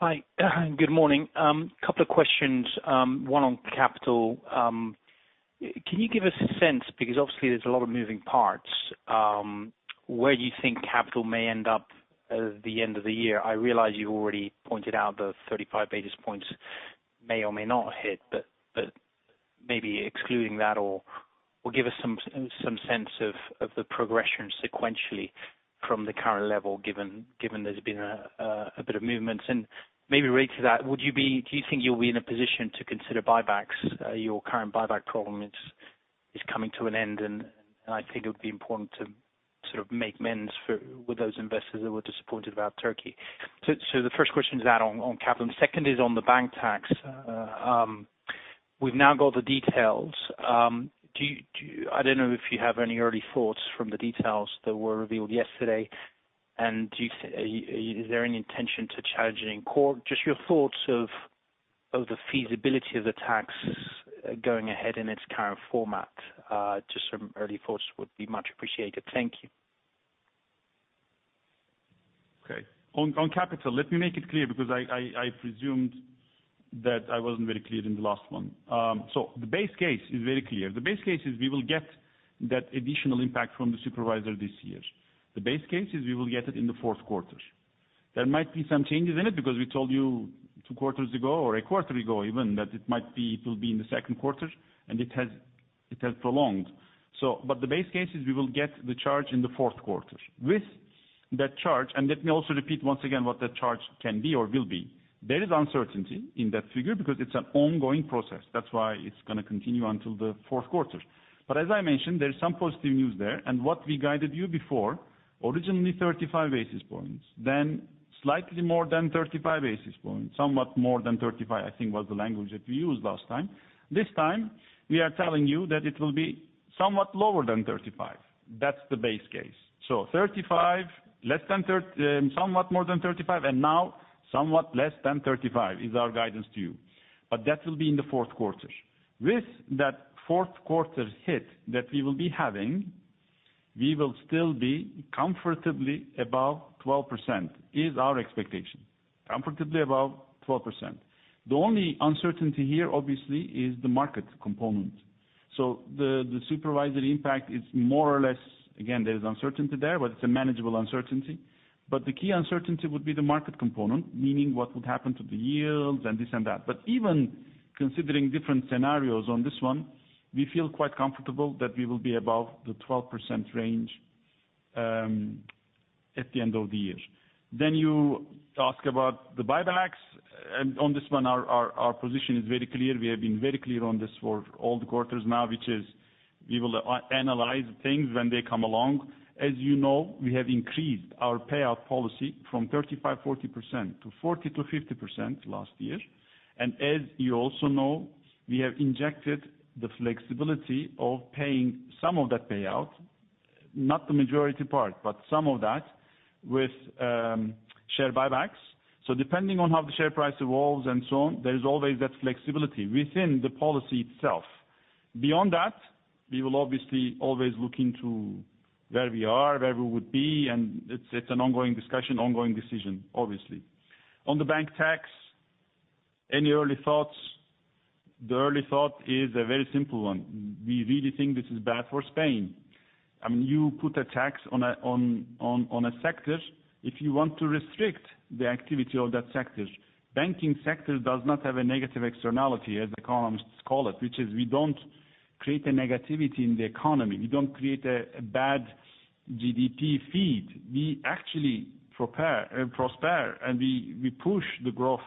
Hi. Good morning. Couple of questions, one on capital. Can you give us a sense, because obviously there's a lot of moving parts, where you think capital may end up at the end of the year? I realize you already pointed out the 35 basis points may or may not hit, but maybe excluding that or give us some sense of the progression sequentially from the current level, given there's been a bit of movements. Maybe related to that, do you think you'll be in a position to consider buybacks? Your current buyback program is coming to an end, and I think it would be important to sort of make amends for, with those investors that were disappointed about Turkey. The first question is that on capital. Second is on the bank tax. We've now got the details. I don't know if you have any early thoughts from the details that were revealed yesterday. Is there any intention to challenge it in court? Just your thoughts on the feasibility of the tax going ahead in its current format, just some early thoughts would be much appreciated. Thank you. Okay. On capital, let me make it clear because I presumed that I wasn't very clear in the last one. The base case is very clear. The base case is we will get that additional impact from the supervisor this year. The base case is we will get it in the fourth quarter. There might be some changes in it because we told you two quarters ago or a quarter ago even that it will be in the second quarter, and it has prolonged. The base case is we will get the charge in the fourth quarter. With that charge, let me also repeat once again what that charge can be or will be. There is uncertainty in that figure because it's an ongoing process. That's why it's gonna continue until the fourth quarter. As I mentioned, there's some positive news there. What we guided you before, originally 35 basis points, then slightly more than 35 basis points, somewhat more than 35 basis points, I think, was the language that we used last time. This time, we are telling you that it will be somewhat lower than 35 basis points. That's the base case. 35 basis points, somewhat more than 35 basis points, and now somewhat less than 35 basis points is our guidance to you. That will be in the fourth quarter. With that fourth quarter hit that we will be having, we will still be comfortably above 12%, is our expectation. Comfortably above 12%. The only uncertainty here, obviously, is the market component. The supervisory impact is more or less again, there is uncertainty there, but it's a manageable uncertainty. The key uncertainty would be the market component, meaning what would happen to the yields and this and that. Even considering different scenarios on this one, we feel quite comfortable that we will be above the 12% range at the end of the year. You ask about the buybacks. On this one, our position is very clear. We have been very clear on this for all the quarters now, which is we will analyze things when they come along. As you know, we have increased our payout policy from 35%-40% to 40%-50% last year. As you also know, we have injected the flexibility of paying some of that payout, not the majority part, but some of that with share buybacks. Depending on how the share price evolves and so on, there is always that flexibility within the policy itself. Beyond that, we will obviously always look into where we are, where we would be, and it's an ongoing discussion, ongoing decision, obviously. On the bank tax, any early thoughts? The early thought is a very simple one. We really think this is bad for Spain. I mean, you put a tax on a sector if you want to restrict the activity of that sector. Banking sector does not have a negative externality, as economists call it, which is we don't create a negativity in the economy. We don't create a bad GDP feed. We actually promote prosperity, and we push the growth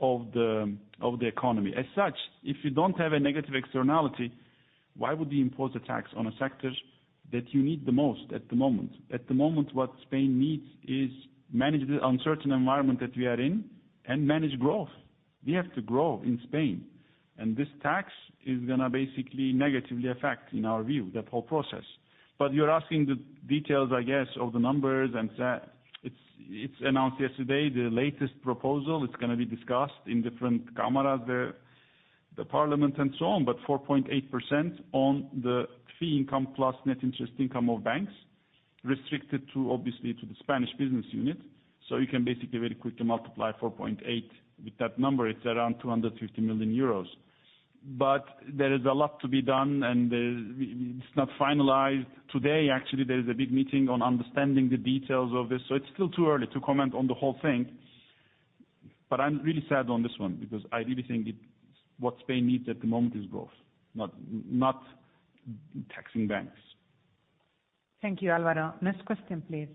of the economy. As such, if you don't have a negative externality, why would we impose a tax on a sector that you need the most at the moment? At the moment, what Spain needs is manage the uncertain environment that we are in and manage growth. We have to grow in Spain, and this tax is gonna basically negatively affect, in our view, that whole process. You're asking the details, I guess, of the numbers and that. It's announced yesterday the latest proposal. It's gonna be discussed in different chambers, the parliament and so on. 4.8% on the fee income plus net interest income of banks restricted to, obviously to the Spanish business unit. You can basically very quickly multiply 4.8% with that number. It's around 250 million euros. There is a lot to be done, and it's not finalized today. Actually, there is a big meeting on understanding the details of this, so it's still too early to comment on the whole thing. I'm really sad on this one because I really think it's what Spain needs at the moment is growth, not taxing banks. Thank you, Alvaro. Next question, please.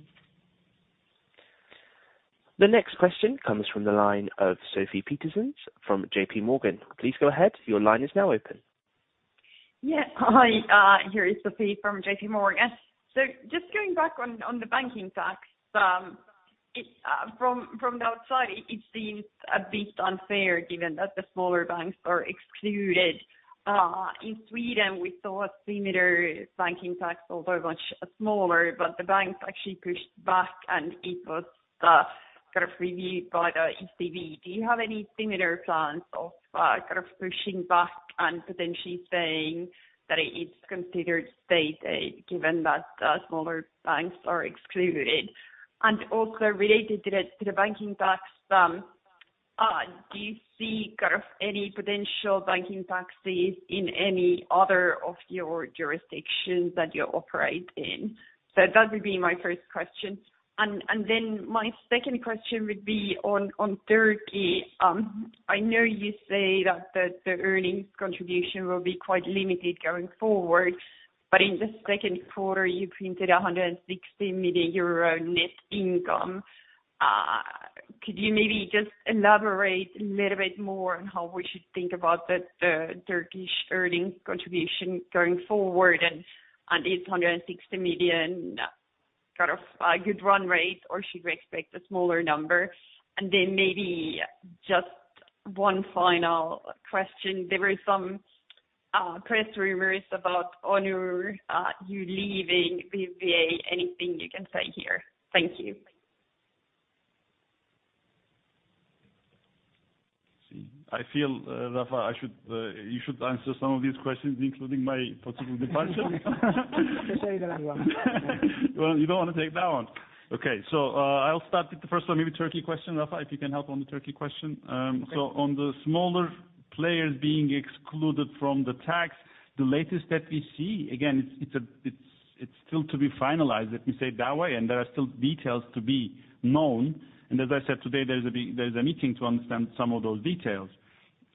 The next question comes from the line of Sofie Peterzens from JPMorgan. Please go ahead. Your line is now open. Hi, here is Sofie Peterzens from JPMorgan. Just going back on the banking tax, from the outside, it seems a bit unfair given that the smaller banks are excluded. In Sweden, we saw a similar banking tax, although much smaller, but the banks actually pushed back, and it was kind of reviewed by the ECB. Do you have any similar plans of kind of pushing back and potentially saying that it's considered state aid given that smaller banks are excluded? Also related to the banking tax, do you see kind of any potential banking taxes in any other of your jurisdictions that you operate in? That would be my first question. Then my second question would be on Turkey. I know you say that the earnings contribution will be quite limited going forward, but in the second quarter, you printed 160 million euro net income. Could you maybe just elaborate a little bit more on how we should think about the Turkish earnings contribution going forward? And is 160 million kind of a good run rate, or should we expect a smaller number? Then maybe just one final question. There were some press rumors about Onur you leaving BBVA. Anything you can say here? Thank you. I feel, Rafa, I should, you should answer some of these questions, including my possible departure. Well, you don't want to take that one. Okay. I'll start with the first one, maybe Turkey question. Rafa, if you can help on the Turkey question. On the smaller players being excluded from the tax, the latest that we see, again, it's still to be finalized, let me say it that way. There are still details to be known. As I said today, there's a meeting to understand some of those details.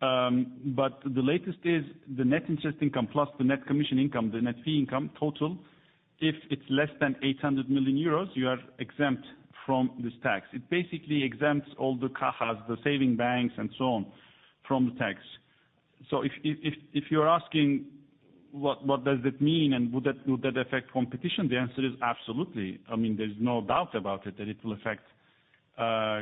But the latest is the net interest income plus the net commission income, the net fee income total. If it's less than 800 million euros, you are exempt from this tax. It basically exempts all the Cajas, the savings banks, and so on, from the tax. If you're asking what does that mean and would that affect competition? The answer is absolutely. I mean, there's no doubt about it that it will affect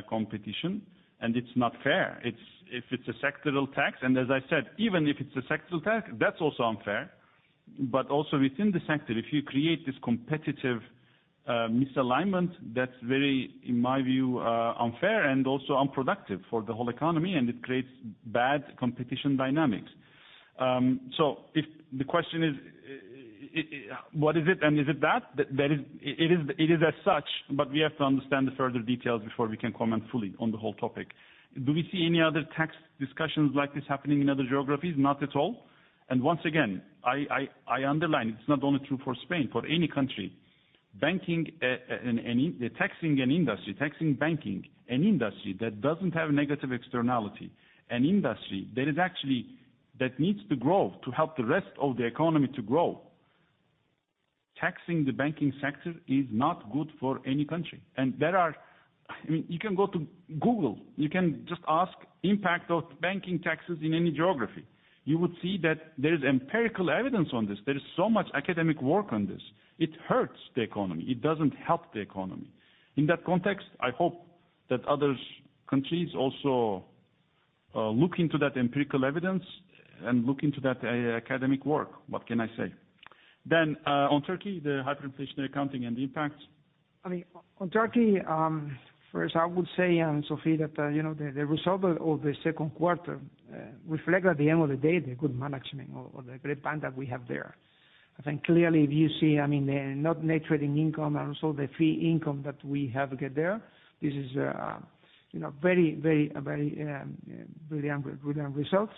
competition. It's not fair. If it's a sectoral tax, and as I said, even if it's a sectoral tax, that's also unfair. Also within the sector, if you create this competitive misalignment, that's very, in my view, unfair and also unproductive for the whole economy, and it creates bad competition dynamics. If the question is, what is it and is it that there is? It is as such, but we have to understand the further details before we can comment fully on the whole topic. Do we see any other tax discussions like this happening in other geographies? Not at all. Once again, I underline it's not only true for Spain, for any country. Banking and taxing an industry, taxing banking, an industry that doesn't have negative externality, an industry that is actually that needs to grow to help the rest of the economy to grow. Taxing the banking sector is not good for any country. I mean, you can go to Google. You can just ask impact of banking taxes in any geography. You would see that there is empirical evidence on this. There is so much academic work on this. It hurts the economy. It doesn't help the economy. In that context, I hope that other countries also look into that empirical evidence and look into that academic work. What can I say? On Turkey, the hyperinflationary accounting and the impact. I mean, on Turkey, first I would say, Sofie, that, you know, the result of the second quarter reflect at the end of the day, the good management of the great bank that we have there. I think clearly if you see, I mean, the net trading income and also the fee income that we have got there, this is, you know, very brilliant results.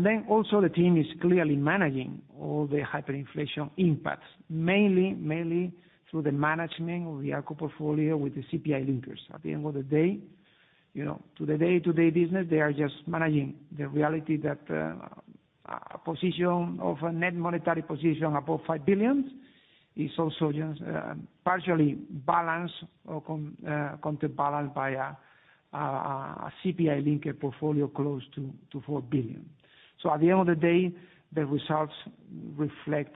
Then also the team is clearly managing all the hyperinflation impacts, mainly through the management of the ALCO portfolio with the CPI linkers. At the end of the day, you know, to the day-to-day business, they are just managing the reality that a net monetary position above 5 billion is also just partially balanced or counterbalanced by a CPI-linked portfolio close to 4 billion. At the end of the day, the results reflect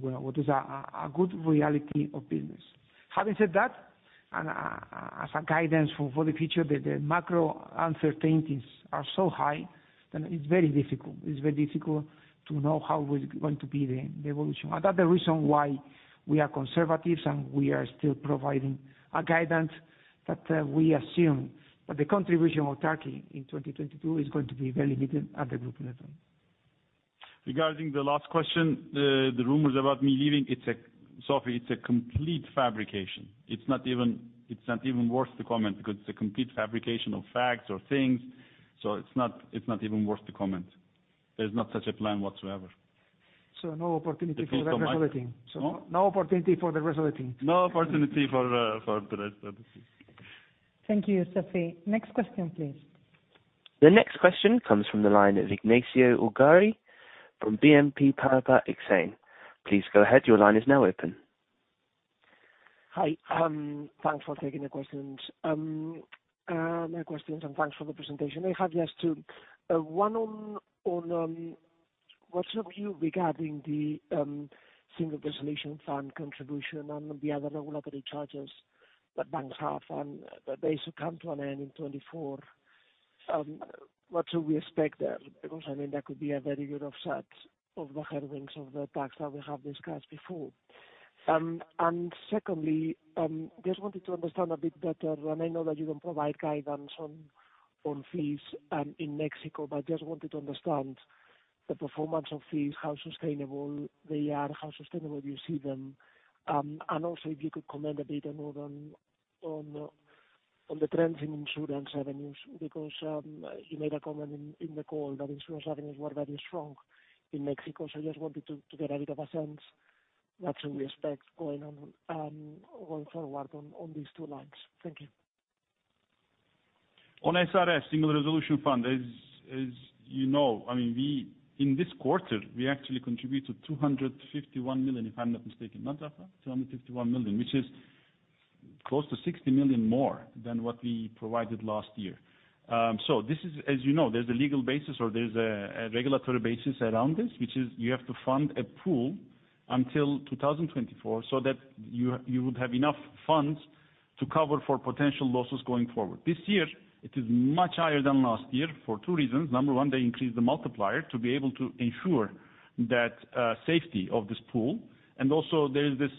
well what is a good reality of business. Having said that, as a guidance for the future, the macro uncertainties are so high, then it's very difficult. It's very difficult to know how the evolution is going to be. That's the reason why we are conservative, and we are still providing a guidance that we assume that the contribution of Turkey in 2022 is going to be very limited at the group level. Regarding the last question, the rumors about me leaving, it's a, Sofie, it's a complete fabrication. It's not even worth to comment because it's a complete fabrication of facts or things. It's not even worth to comment. There's no such a plan whatsoever. No opportunity for the re-rating. Huh? No opportunity for the re-rating. No opportunity for the re-rating. Thank you, Sofie. Next question, please. The next question comes from the line of Ignacio Ulargui from BNP Paribas Exane. Please go ahead. Your line is now open. Hi. Thanks for taking my questions and thanks for the presentation. I have just two. One on what's your view regarding the Single Resolution Fund contribution and the other regulatory charges that banks have and they should come to an end in 2024. What should we expect there? Because, I mean, that could be a very good offset of the headwinds of the taxes that we have discussed before. Secondly, just wanted to understand a bit better, and I know that you don't provide guidance on fees in Mexico. Just wanted to understand the performance of fees, how sustainable they are, how sustainable you see them. If you could comment a bit more on the trends in insurance revenues, because you made a comment in the call that insurance revenues were very strong in Mexico. I just wanted to get a bit of a sense what should we expect going on, going forward on these two lines. Thank you. On SRF, Single Resolution Fund, as you know, I mean, we in this quarter we actually contributed 251 million, if I'm not mistaken, which is close to 60 million more than what we provided last year. So this is, as you know, there's a legal basis or a regulatory basis around this, which is you have to fund a pool until 2024 so that you would have enough funds to cover for potential losses going forward. This year, it is much higher than last year for two reasons. Number one, they increased the multiplier to be able to ensure that safety of this pool. Also, there is this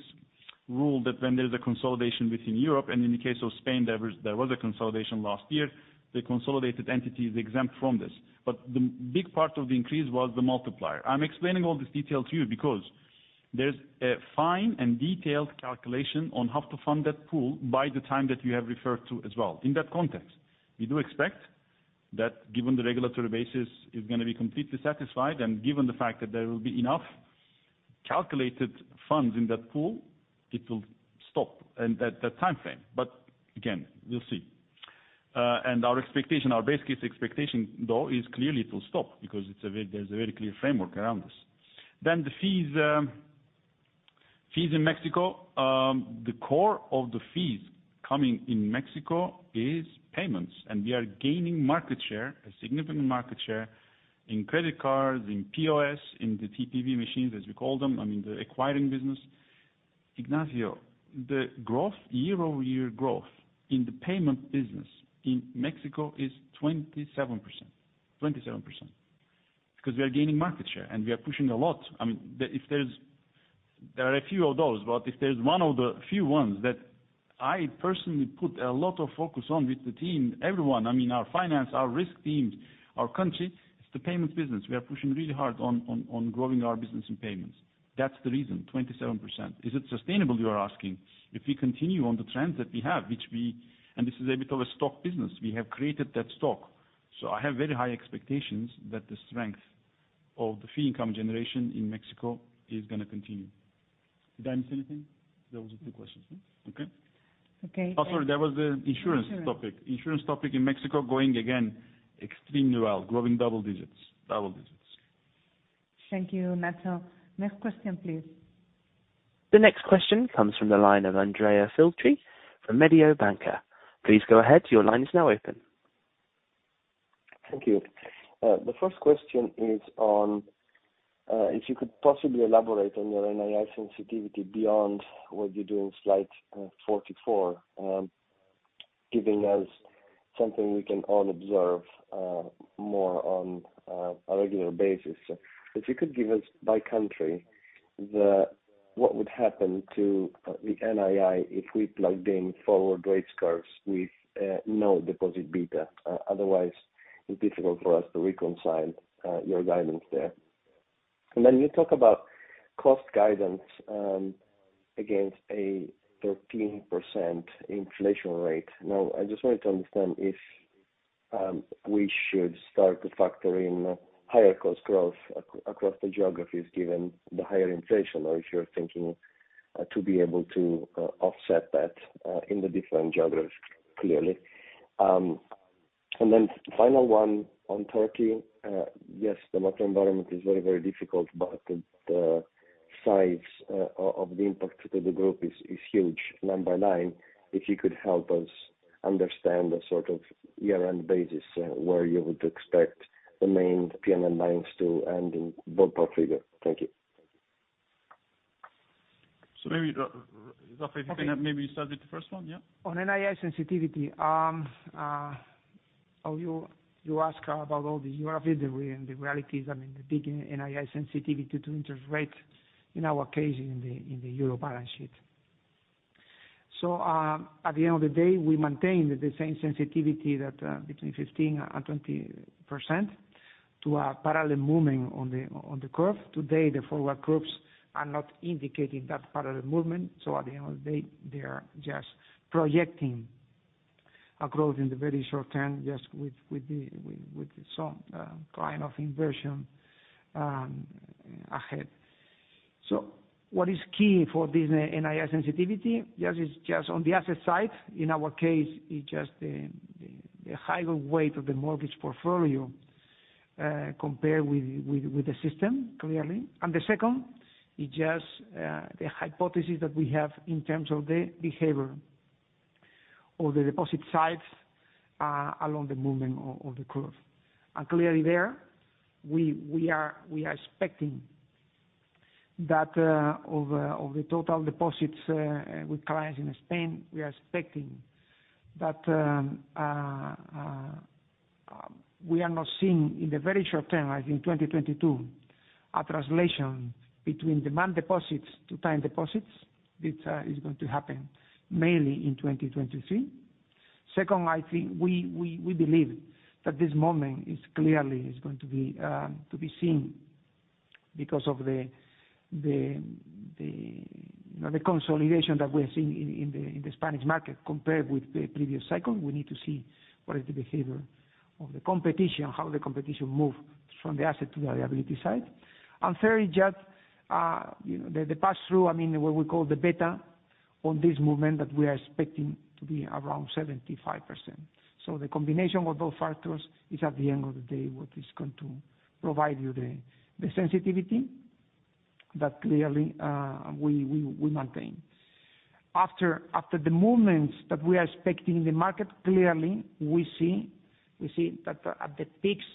rule that when there's a consolidation within Europe, and in the case of Spain, there was a consolidation last year, the consolidated entity is exempt from this. The big part of the increase was the multiplier. I'm explaining all this detail to you because there's a fine and detailed calculation on how to fund that pool by the time that you have referred to as well. In that context, we do expect that given the regulatory basis is gonna be completely satisfied, and given the fact that there will be enough calculated funds in that pool, it will stop at that timeframe. Again, we'll see. Our expectation, our base case expectation, though, is clearly it will stop because there's a very clear framework around this. The fees in Mexico, the core of the fees coming in Mexico is payments, and we are gaining market share, a significant market share in credit cards, in POS, in the TPV machines, as we call them, I mean, the acquiring business. Ignacio, the growth, year-over-year growth in the payment business in Mexico is 27%, 27%. Because we are gaining market share, and we are pushing a lot. I mean, there are a few of those, but if there's one of the few ones that I personally put a lot of focus on with the team, everyone, I mean our finance, our risk teams, our country, it's the payments business. We are pushing really hard on growing our business in payments. That's the reason, 27%. Is it sustainable, you are asking? If we continue on the trends that we have, and this is a bit of a stock business, we have created that stock. I have very high expectations that the strength of the fee income generation in Mexico is gonna continue. Did I miss anything? Those were two questions, okay. Okay. Oh, sorry, there was the insurance topic. Insurance topic in Mexico, going again, extremely well, growing double digits. Thank you, Ignacio. Next question, please. The next question comes from the line of Andrea Filtri from Mediobanca. Please go ahead, your line is now open. Thank you. The first question is on if you could possibly elaborate on your NII sensitivity beyond what you do in slide 44, giving us something we can all observe more on a regular basis. If you could give us by country what would happen to the NII if we plugged in forward rate curves with no deposit beta. Otherwise, it's difficult for us to reconcile your guidance there. Then you talk about cost guidance against a 13% inflation rate. Now, I just wanted to understand if we should start to factor in higher cost growth across the geographies given the higher inflation, or if you're thinking to be able to offset that in the different geographies clearly. Final one on Turkey. Yes, the macro environment is very, very difficult, but the size of the impact to the group is huge line by line. If you could help us understand the sort of year-end basis, where you would expect the main P&L lines to end in ballpark figure. Thank you. Maybe, Rafael, you can maybe start with the first one, yeah? On NII sensitivity, you ask about all the euro visibility and the realities, I mean, the big NII sensitivity to interest rate in our case in the euro balance sheet. At the end of the day, we maintain the same sensitivity that between 15% and 20% to a parallel movement on the curve. Today, the forward curves are not indicating that parallel movement. At the end of the day, they are just projecting a growth in the very short term, just with some kind of inversion ahead. What is key for this NII sensitivity is on the asset side. In our case, it's just the higher weight of the mortgage portfolio compared with the system, clearly. The second is just the hypothesis that we have in terms of the behavior or the deposit sides along the movement of the curves. Clearly there, we are expecting that of the total deposits with clients in Spain, we are not seeing in the very short term, as in 2022, a translation between demand deposits to time deposits. This is going to happen mainly in 2023. Second, I think we believe that this moment is clearly going to be seen because of the you know, the consolidation that we're seeing in the Spanish market. Compared with the previous cycle, we need to see what is the behavior of the competition, how the competition move from the asset to the liability side. Thirdly, just, the pass-through, I mean, what we call the beta on this movement that we are expecting to be around 75%. The combination with both factors is at the end of the day, what is going to provide you the sensitivity that clearly we maintain. After the movements that we are expecting in the market, clearly we see that at the peaks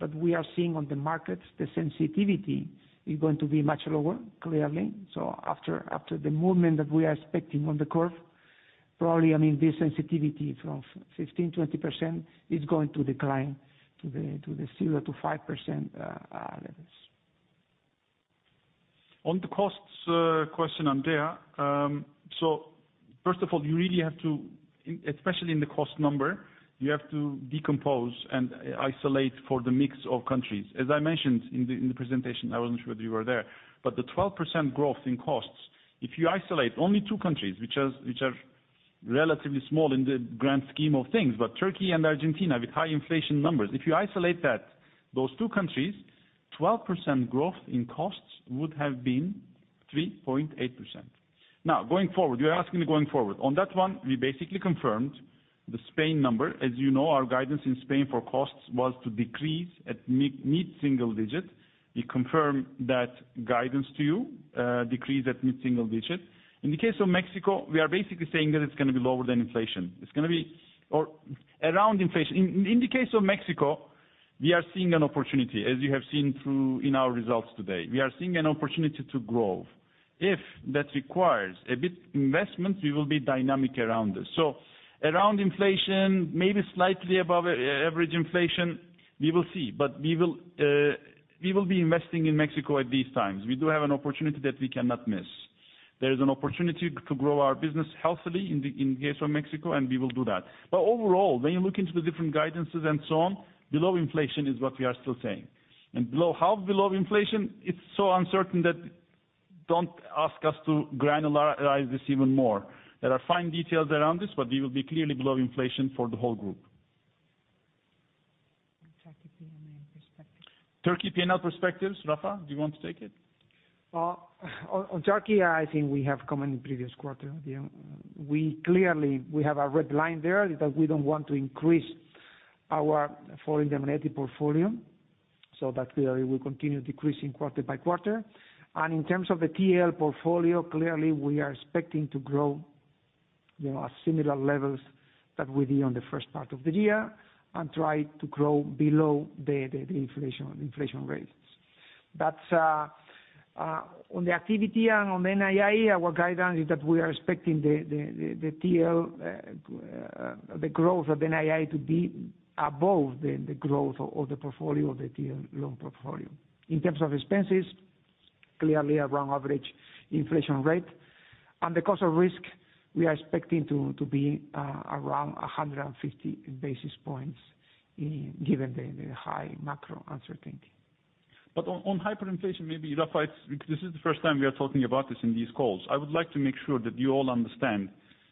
that we are seeing on the markets, the sensitivity is going to be much lower, clearly. After the movement that we are expecting on the curve, probably, I mean, this sensitivity from 15%-20% is going to decline to the 0%-5% levels. On the costs question, Andrea. So first of all, you really have to, especially in the cost number, you have to decompose and isolate for the mix of countries. As I mentioned in the presentation, I wasn't sure if you were there, but the 12% growth in costs, if you isolate only two countries, which are relatively small in the grand scheme of things, but Turkey and Argentina with high inflation numbers. If you isolate those two countries, 12% growth in costs would have been 3.8%. Now, going forward, you're asking me going forward. On that one, we basically confirmed the Spain number. As you know, our guidance in Spain for costs was to decrease at mid single digits. We confirm that guidance to you, decrease at mid single digit. In the case of Mexico, we are basically saying that it's gonna be lower than inflation. It's gonna be or around inflation. In the case of Mexico, we are seeing an opportunity. As you have seen in our results today, we are seeing an opportunity to grow. That requires a bit investment. We will be dynamic around this. So around inflation, maybe slightly above an average inflation, we will see. But we will be investing in Mexico at these times. We do have an opportunity that we cannot miss. There is an opportunity to grow our business healthily in the case of Mexico, and we will do that. But overall, when you look into the different guidances and so on, below inflation is what we are still saying. How below inflation? It's so uncertain that don't ask us to granularize this even more. There are fine details around this, but we will be clearly below inflation for the whole group. Turkey P&L perspective. Turkey P&L perspectives. Rafa, do you want to take it? On Turkey, I think we have commented in previous quarter. We clearly have a red line there that we don't want to increase our foreign denominated portfolio, so that clearly will continue decreasing quarter by quarter. In terms of the TL portfolio, clearly we are expecting to grow, you know, at similar levels that we did on the first part of the year and try to grow below the inflation rates. That's on the activity and on NII, our guidance is that we are expecting the TL growth of NII to be above the growth of the portfolio, the TL loan portfolio. In terms of expenses, clearly around average inflation rate. The cost of risk, we are expecting to be around 150 basis points given the high macro uncertainty. On hyperinflation, maybe Rafa it's because this is the first time we are talking about this in these calls. I would like to make sure that you all understand,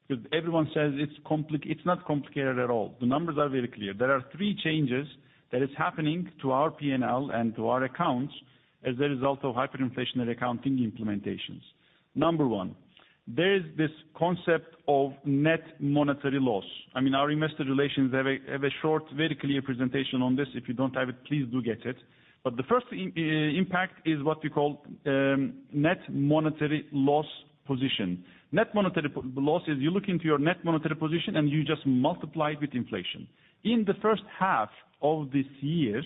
because everyone says it's compli it's not complicated at all. The numbers are very clear. There are three changes that is happening to our P&L and to our accounts as a result of hyperinflationary accounting implementations. Number one, there is this concept of net monetary loss. I mean, our investor relations have a short, very clear presentation on this. If you don't have it, please do get it. The first impact is what we call net monetary loss position. Net monetary loss is you look into your net monetary position, and you just multiply it with inflation. In the first half of this year,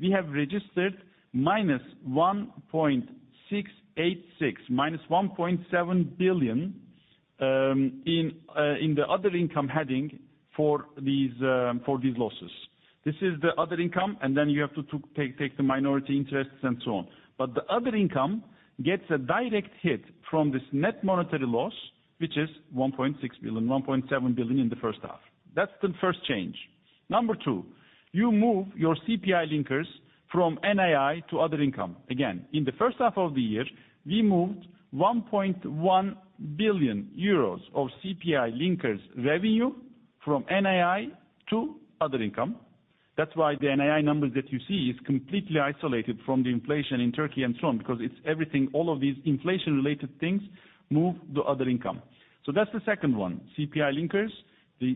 we have registered -1.686 billion--1.7 billion in the other income heading for these losses. This is the other income, and then you have to take the minority interests and so on. The other income gets a direct hit from this net monetary loss, which is 1.6 billion-1.7 billion in the first half. That's the first change. Number two, you move your CPI linkers from NII to other income. Again, in the first half of the year, we moved 1.1 billion euros of CPI linkers revenue from NII to other income. That's why the NII numbers that you see is completely isolated from the inflation in Turkey and so on, because it's everything, all of these inflation-related things move to other income. That's the second one. CPI linkers, the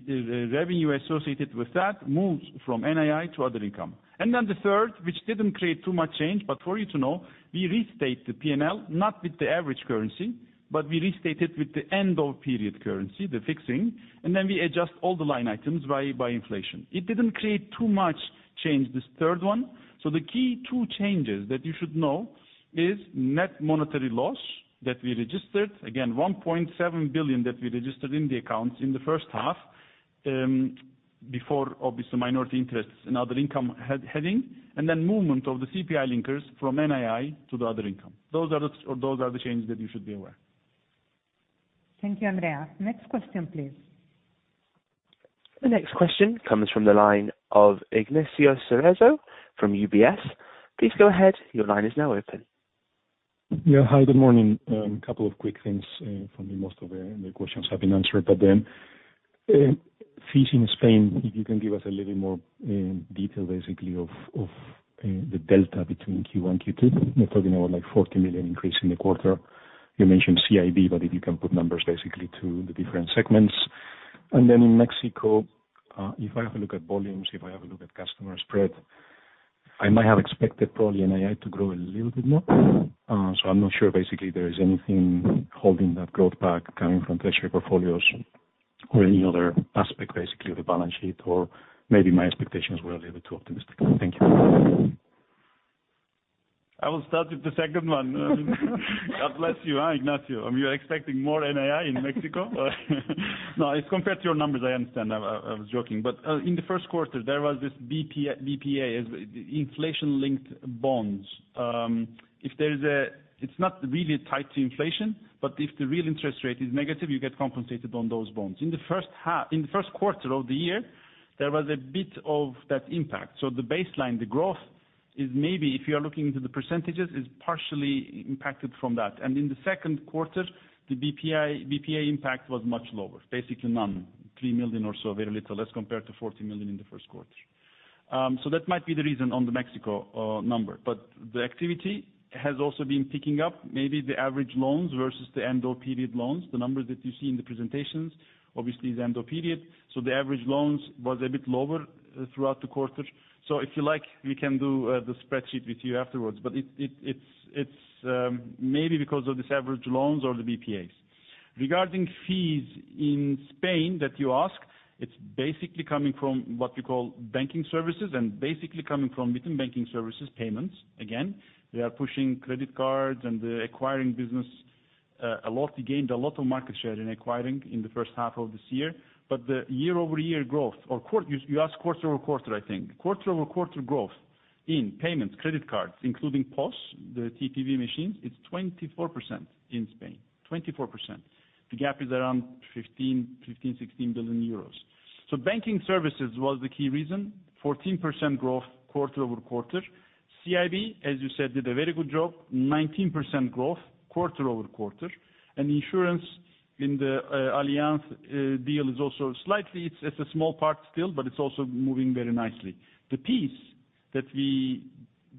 revenue associated with that moves from NII to other income. The third, which didn't create too much change, but for you to know, we restate the P&L, not with the average currency, but we restate it with the end of period currency, the fixing, and then we adjust all the line items by inflation. It didn't create too much change, this third one. The key two changes that you should know is net monetary loss that we registered. Again, 1.7 billion that we registered in the accounts in the first half, before obvious minority interests in other income heading, and then movement of the CPI linkers from NII to the other income. Those are the changes that you should be aware. Thank you, Andrea. Next question, please. The next question comes from the line of Ignacio Cerezo from UBS. Please go ahead. Your line is now open. Yeah. Hi, good morning. A couple of quick things from me. Most of the questions have been answered. Fees in Spain, if you can give us a little bit more detail basically of the delta between Q1 and Q2. You're talking about like 40 million increase in the quarter. You mentioned CIB, but if you can put numbers basically to the different segments. And then in Mexico, if I have a look at volumes, if I have a look at customer spread, I might have expected probably NII to grow a little bit more. So I'm not sure basically there is anything holding that growth back coming from treasury portfolios or any other aspect, basically, of the balance sheet, or maybe my expectations were a little bit too optimistic. Thank you. I will start with the second one. God bless you, Ignacio. You're expecting more NII in Mexico? No, it's compared to your numbers, I understand. I was joking. In the first quarter, there was this BPA, inflation-linked bonds. It's not really tied to inflation, but if the real interest rate is negative, you get compensated on those bonds. In the first quarter of the year, there was a bit of that impact. The baseline, the growth is maybe, if you are looking into the percentages, partially impacted from that. In the second quarter, the BPA impact was much lower, basically none, 3 million or so, very little. That's compared to 40 million in the first quarter. That might be the reason on the Mexico number. The activity has also been picking up. Maybe the average loans versus the end of period loans, the numbers that you see in the presentations obviously is end of period. The average loans was a bit lower throughout the quarter. If you like, we can do the spreadsheet with you afterwards, but it's maybe because of these average loans or the PMAs. Regarding fees in Spain that you ask, it's basically coming from what we call banking services and basically coming from within banking services payments. Again, we are pushing credit cards and acquiring business a lot. We gained a lot of market share in acquiring in the first half of this year. The year-over-year growth or quarter-over-quarter. You asked quarter over quarter, I think. Quarter-over-quarter growth in payments, credit cards, including POS, the TPV machines, it's 24% in Spain. 24%. The gap is around 15 billion-16 billion euros. Banking services was the key reason, 14% growth quarter-over-quarter. CIB, as you said, did a very good job, 19% growth quarter-over-quarter. Insurance in the Allianz deal is also slightly, it's a small part still, but it's also moving very nicely. The piece that we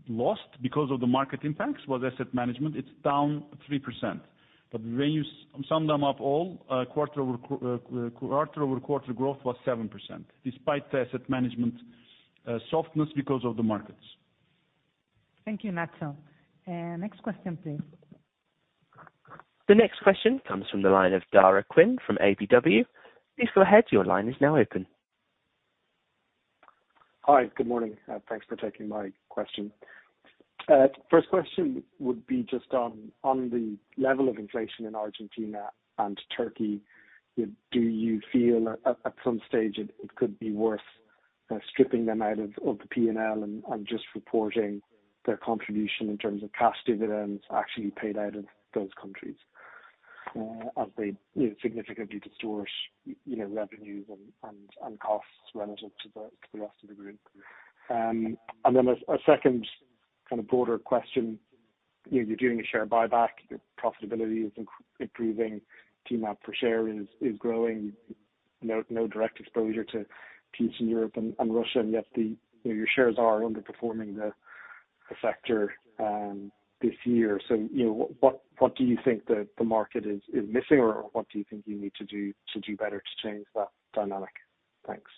lost because of the market impacts was asset management. It's down 3%. When you sum them up all, quarter-over-quarter growth was 7%, despite the asset management softness because of the markets. Thank you, Ignacio Cerezo. Next question, please. The next question comes from the line of Daragh Quinn from KBW. Please go ahead, your line is now open. Hi, good morning. Thanks for taking my question. First question would be just on the level of inflation in Argentina and Turkey. Do you feel at some stage it could be worth stripping them out of the P&L and just reporting their contribution in terms of cash dividends actually paid out of those countries as they significantly distort, you know, revenues and costs relative to the rest of the group? Then a second kind of broader question. You're doing a share buyback, profitability is improving, tangible book value per share is growing. No direct exposure to Ukraine and Russia, and yet your shares are underperforming the sector this year. You know, what do you think the market is missing, or what do you think you need to do to do better to change that dynamic? Thanks.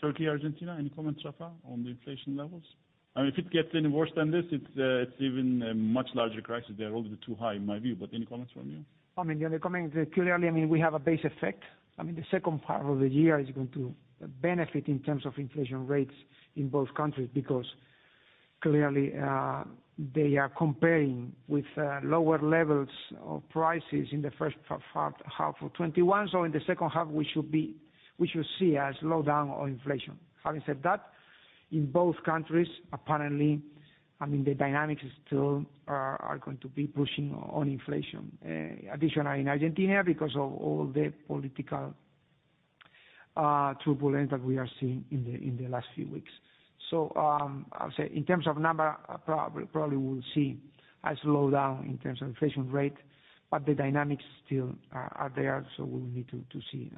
Turkey, Argentina, any comments, Rafael, on the inflation levels? I mean, if it gets any worse than this, it's even a much larger crisis. They're already too high in my view, but any comments from you? I mean, yeah, the comment, clearly. I mean, we have a base effect. I mean, the second part of the year is going to benefit in terms of inflation rates in both countries, because clearly, they are comparing with lower levels of prices in the first half of 2021. In the second half, we should see a slowdown on inflation. Having said that, in both countries, apparently, I mean, the dynamics are still going to be pushing on inflation. Additionally, in Argentina, because of all the political turbulence that we are seeing in the last few weeks. I'll say in terms of number, probably we'll see a slowdown in terms of inflation rate, but the dynamics are still there, so we'll need to see.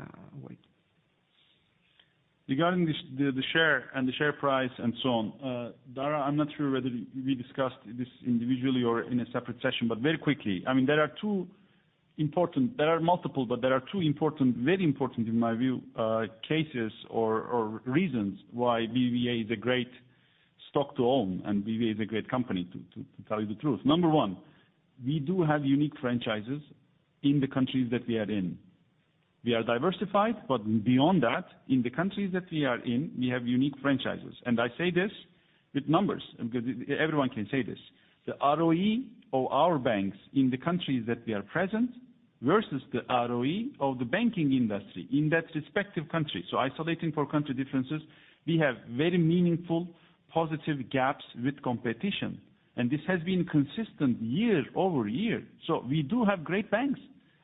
Regarding this, the share and the share price and so on, Daragh, I'm not sure whether we discussed this individually or in a separate session, but very quickly, I mean, there are multiple, but there are two important, very important in my view, cases or reasons why BBVA is a great stock to own and BBVA is a great company to tell you the truth. Number one, we do have unique franchises in the countries that we are in. We are diversified, but beyond that, in the countries that we are in, we have unique franchises. I say this with numbers, because everyone can say this. The ROE of our banks in the countries that we are present versus the ROE of the banking industry in that respective country. Isolating for country differences, we have very meaningful positive gaps with competition, and this has been consistent year-over-year. We do have great banks,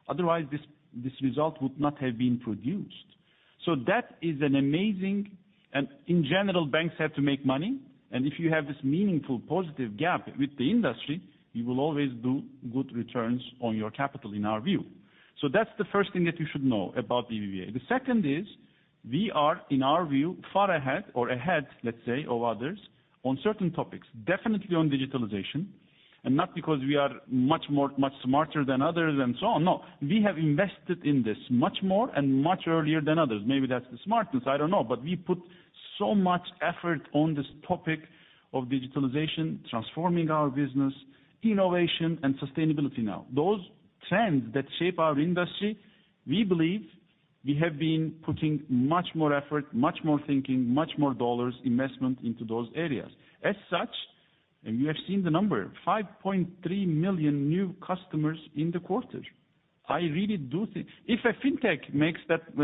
otherwise this result would not have been produced. That is amazing. In general, banks have to make money. If you have this meaningful positive gap with the industry, you will always do good returns on your capital in our view. That's the first thing that you should know about BBVA. The second is we are, in our view, far ahead or ahead, let's say, of others on certain topics, definitely on digitalization, and not because we are much more, much smarter than others and so on. No, we have invested in this much more and much earlier than others. Maybe that's the smartness, I don't know. We put so much effort on this topic of digitalization, transforming our business, innovation and sustainability now. Those trends that shape our industry, we believe we have been putting much more effort, much more thinking, much more dollars investment into those areas. As such, and you have seen the number, 5.3 million new customers in the quarter. I really do think if a fintech makes that,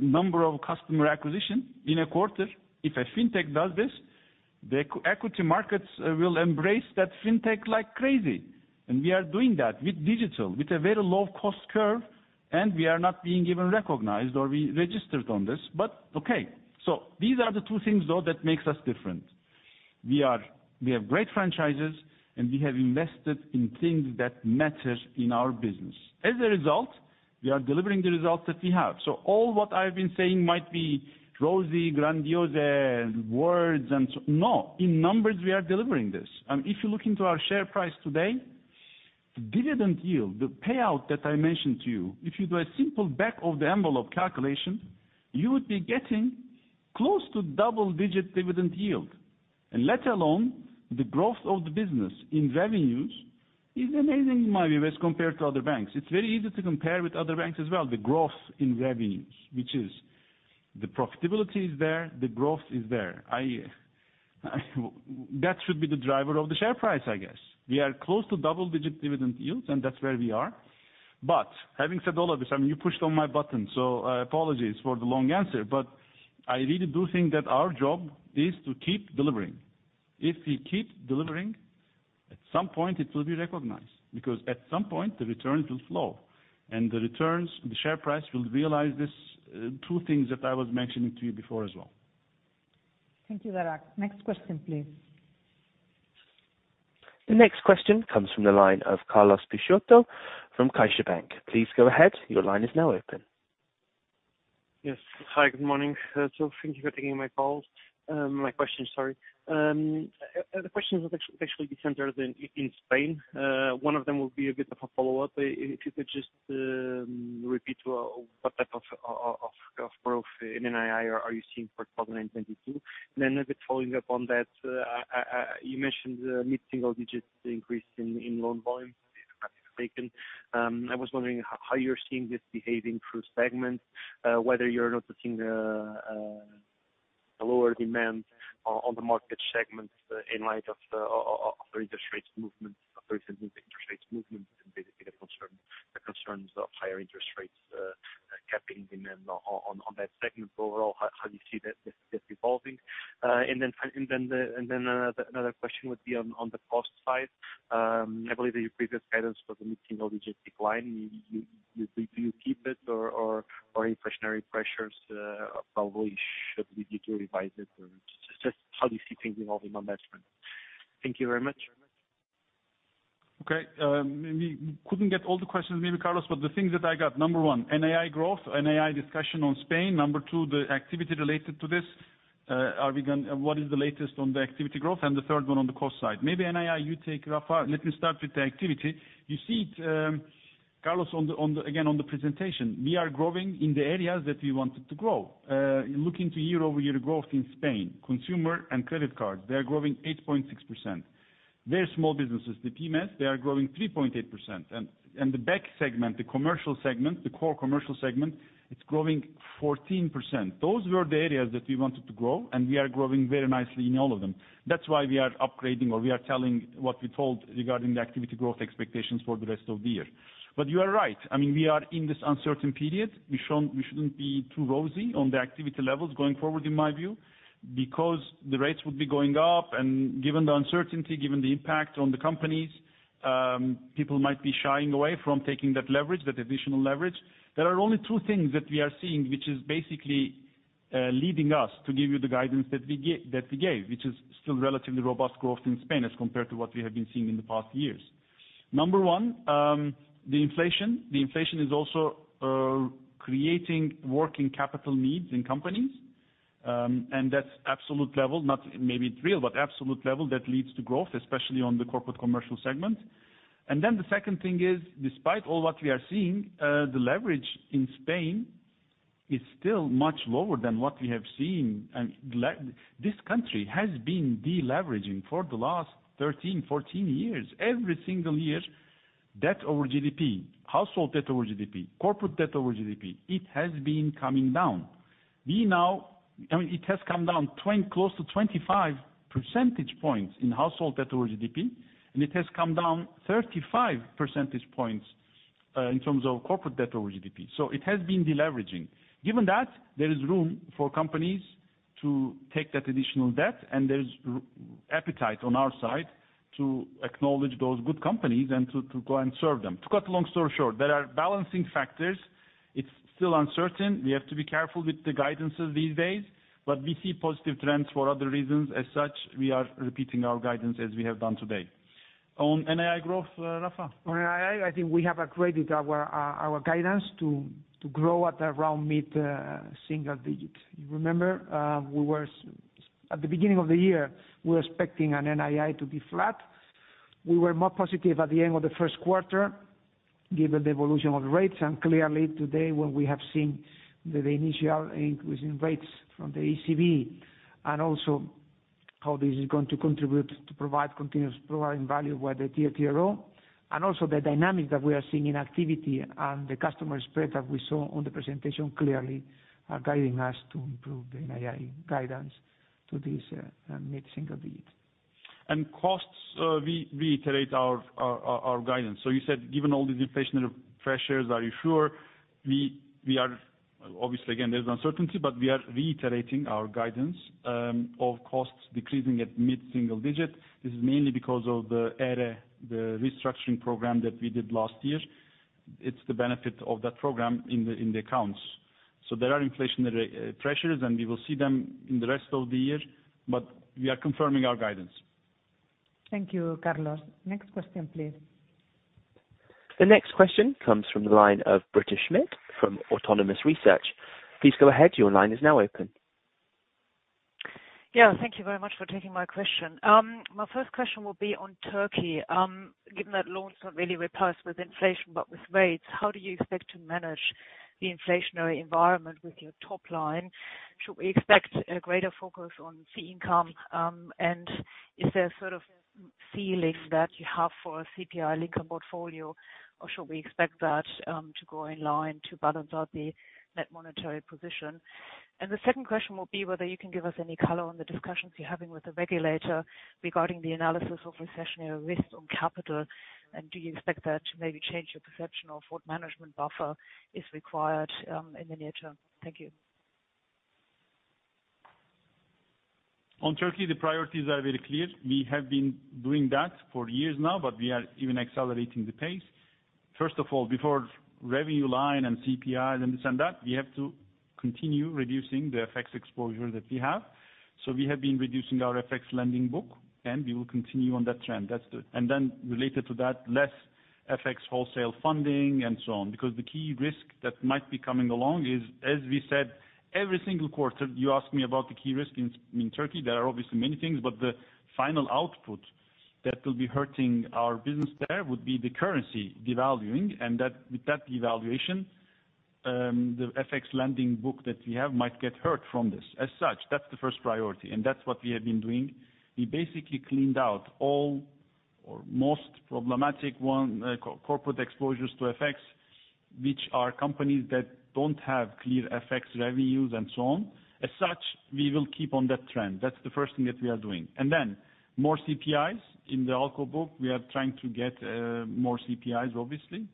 number of customer acquisition in a quarter, if a fintech does this, the equity markets, will embrace that fintech like crazy. We are doing that with digital, with a very low cost curve, and we are not being even recognized or we registered on this. Okay, these are the two things though that makes us different. We are, we have great franchises, and we have invested in things that matter in our business. As a result, we are delivering the results that we have. All what I've been saying might be rosy, grandiose words. No, in numbers, we are delivering this. If you look into our share price today. Dividend yield, the payout that I mentioned to you, if you do a simple back-of-the-envelope calculation, you would be getting close to double-digit dividend yield. Let alone the growth of the business in revenues is amazing in my view as compared to other banks. It's very easy to compare with other banks as well, the growth in revenues, which is the profitability is there, the growth is there. That should be the driver of the share price, I guess. We are close to double-digit dividend yields, and that's where we are. Having said all of this, I mean, you pushed on my button, so, apologies for the long answer, but I really do think that our job is to keep delivering. If we keep delivering, at some point, it will be recognized, because at some point the returns will flow, and the returns, the share price will realize this, two things that I was mentioning to you before as well. Thank you, Daragh. Next question, please. The next question comes from the line of Carlos Peixoto from CaixaBank. Please go ahead. Your line is now open. Yes. Hi, good morning. Thank you for taking my call. My question, sorry. The questions will actually be centered in Spain. One of them will be a bit of a follow-up. If you could just repeat what type of growth in NII are you seeing for 2022? A bit following up on that, you mentioned mid-single digits increase in loan volume taken. I was wondering how you're seeing this behaving through segments, whether you're noticing a lower demand on the market segments in light of interest rates movement, recent interest rates movement, and basically the concerns of higher interest rates capping demand on that segment. Overall, how do you see that evolving? Another question would be on the cost side. I believe that your previous guidance was a mid-single-digit decline. Do you keep it or inflationary pressures probably should lead you to revise it or just how do you see things evolving on that front? Thank you very much. Okay. We couldn't get all the questions maybe, Carlos, but the things that I got, number one, NII growth, NII discussion on Spain. Number two, the activity related to this. What is the latest on the activity growth? And the third one on the cost side. Maybe NII you take, Rafa. Let me start with the activity. You see it, Carlos, on the presentation, we are growing in the areas that we wanted to grow. Looking to year-over-year growth in Spain, consumer and credit cards, they are growing 8.6%. Their small businesses, the PYMEs, they are growing 3.8%. The BEC segment, the commercial segment, the core commercial segment, it's growing 14%. Those were the areas that we wanted to grow, and we are growing very nicely in all of them. That's why we are upgrading or we are telling what we told regarding the activity growth expectations for the rest of the year. You are right. I mean, we are in this uncertain period. We shouldn't be too rosy on the activity levels going forward, in my view, because the rates would be going up. Given the uncertainty, given the impact on the companies, people might be shying away from taking that leverage, that additional leverage. There are only two things that we are seeing, which is basically leading us to give you the guidance that we gave, which is still relatively robust growth in Spain as compared to what we have been seeing in the past years. Number one, the inflation. The inflation is also creating working capital needs in companies. That's absolute level, not maybe real, but absolute level that leads to growth, especially on the corporate commercial segment. The second thing is, despite all what we are seeing, the leverage in Spain is still much lower than what we have seen. This country has been deleveraging for the last 13 years, 14 years. Every single year, debt over GDP, household debt over GDP, corporate debt over GDP, it has been coming down. We now, I mean, it has come down 20 percentage points, close to 25 percentage points in household debt over GDP, and it has come down 35 percentage points in terms of corporate debt over GDP. It has been deleveraging. Given that, there is room for companies to take that additional debt, and there is appetite on our side to acknowledge those good companies and to go and serve them. To cut a long story short, there are balancing factors. It's still uncertain. We have to be careful with the guidances these days, but we see positive trends for other reasons. As such, we are repeating our guidance as we have done today. On NII growth, Rafa. On NII, I think we have upgraded our guidance to grow at around mid-single digits. You remember, we were at the beginning of the year, we were expecting an NII to be flat. We were more positive at the end of the first quarter, given the evolution of rates. Clearly today, when we have seen the initial increase in rates from the ECB and also how this is going to contribute to provide continuous providing value by the TLTRO. The dynamic that we are seeing in activity and the customer spread that we saw on the presentation clearly are guiding us to improve the NII guidance to this mid-single digits. Costs, we reiterate our guidance. You said, given all these inflationary pressures, are you sure? We are obviously, again, there's uncertainty, but we are reiterating our guidance of costs decreasing at mid-single digits. This is mainly because of the ERE, the restructuring program that we did last year. It's the benefit of that program in the accounts. There are inflationary pressures, and we will see them in the rest of the year, but we are confirming our guidance. Thank you, Carlos. Next question, please. The next question comes from the line of Britta Schmidt from Autonomous Research. Please go ahead. Your line is now open. Yeah, thank you very much for taking my question. My first question will be on Turkey. Given that loans don't really reprice with inflation, but with rates, how do you expect to manage the inflationary environment with your top line? Should we expect a greater focus on fee income, and is there a sort of feeling that you have for a CPI-linked portfolio, or should we expect that to go in line to balance out the net monetary position? The second question will be whether you can give us any color on the discussions you're having with the regulator regarding the analysis of recessionary risks on capital. Do you expect that to maybe change your perception of what management buffer is required in the near term? Thank you. On Turkey, the priorities are very clear. We have been doing that for years now, but we are even accelerating the pace. First of all, before revenue line and CPI and this and that, we have to continue reducing the FX exposure that we have. We have been reducing our FX lending book, and we will continue on that trend. That's the. Then related to that, less FX wholesale funding and so on. Because the key risk that might be coming along is, as we said, every single quarter, you ask me about the key risk in Turkey. There are obviously many things. The final output that will be hurting our business there would be the currency devaluing, and that, with that devaluation, the FX lending book that we have might get hurt from this. As such, that's the first priority, and that's what we have been doing. We basically cleaned out all or most problematic corporate exposures to FX, which are companies that don't have clear FX revenues and so on. As such, we will keep on that trend. That's the first thing that we are doing. More CPIs in the ALCO book. We are trying to get more CPIs, obviously,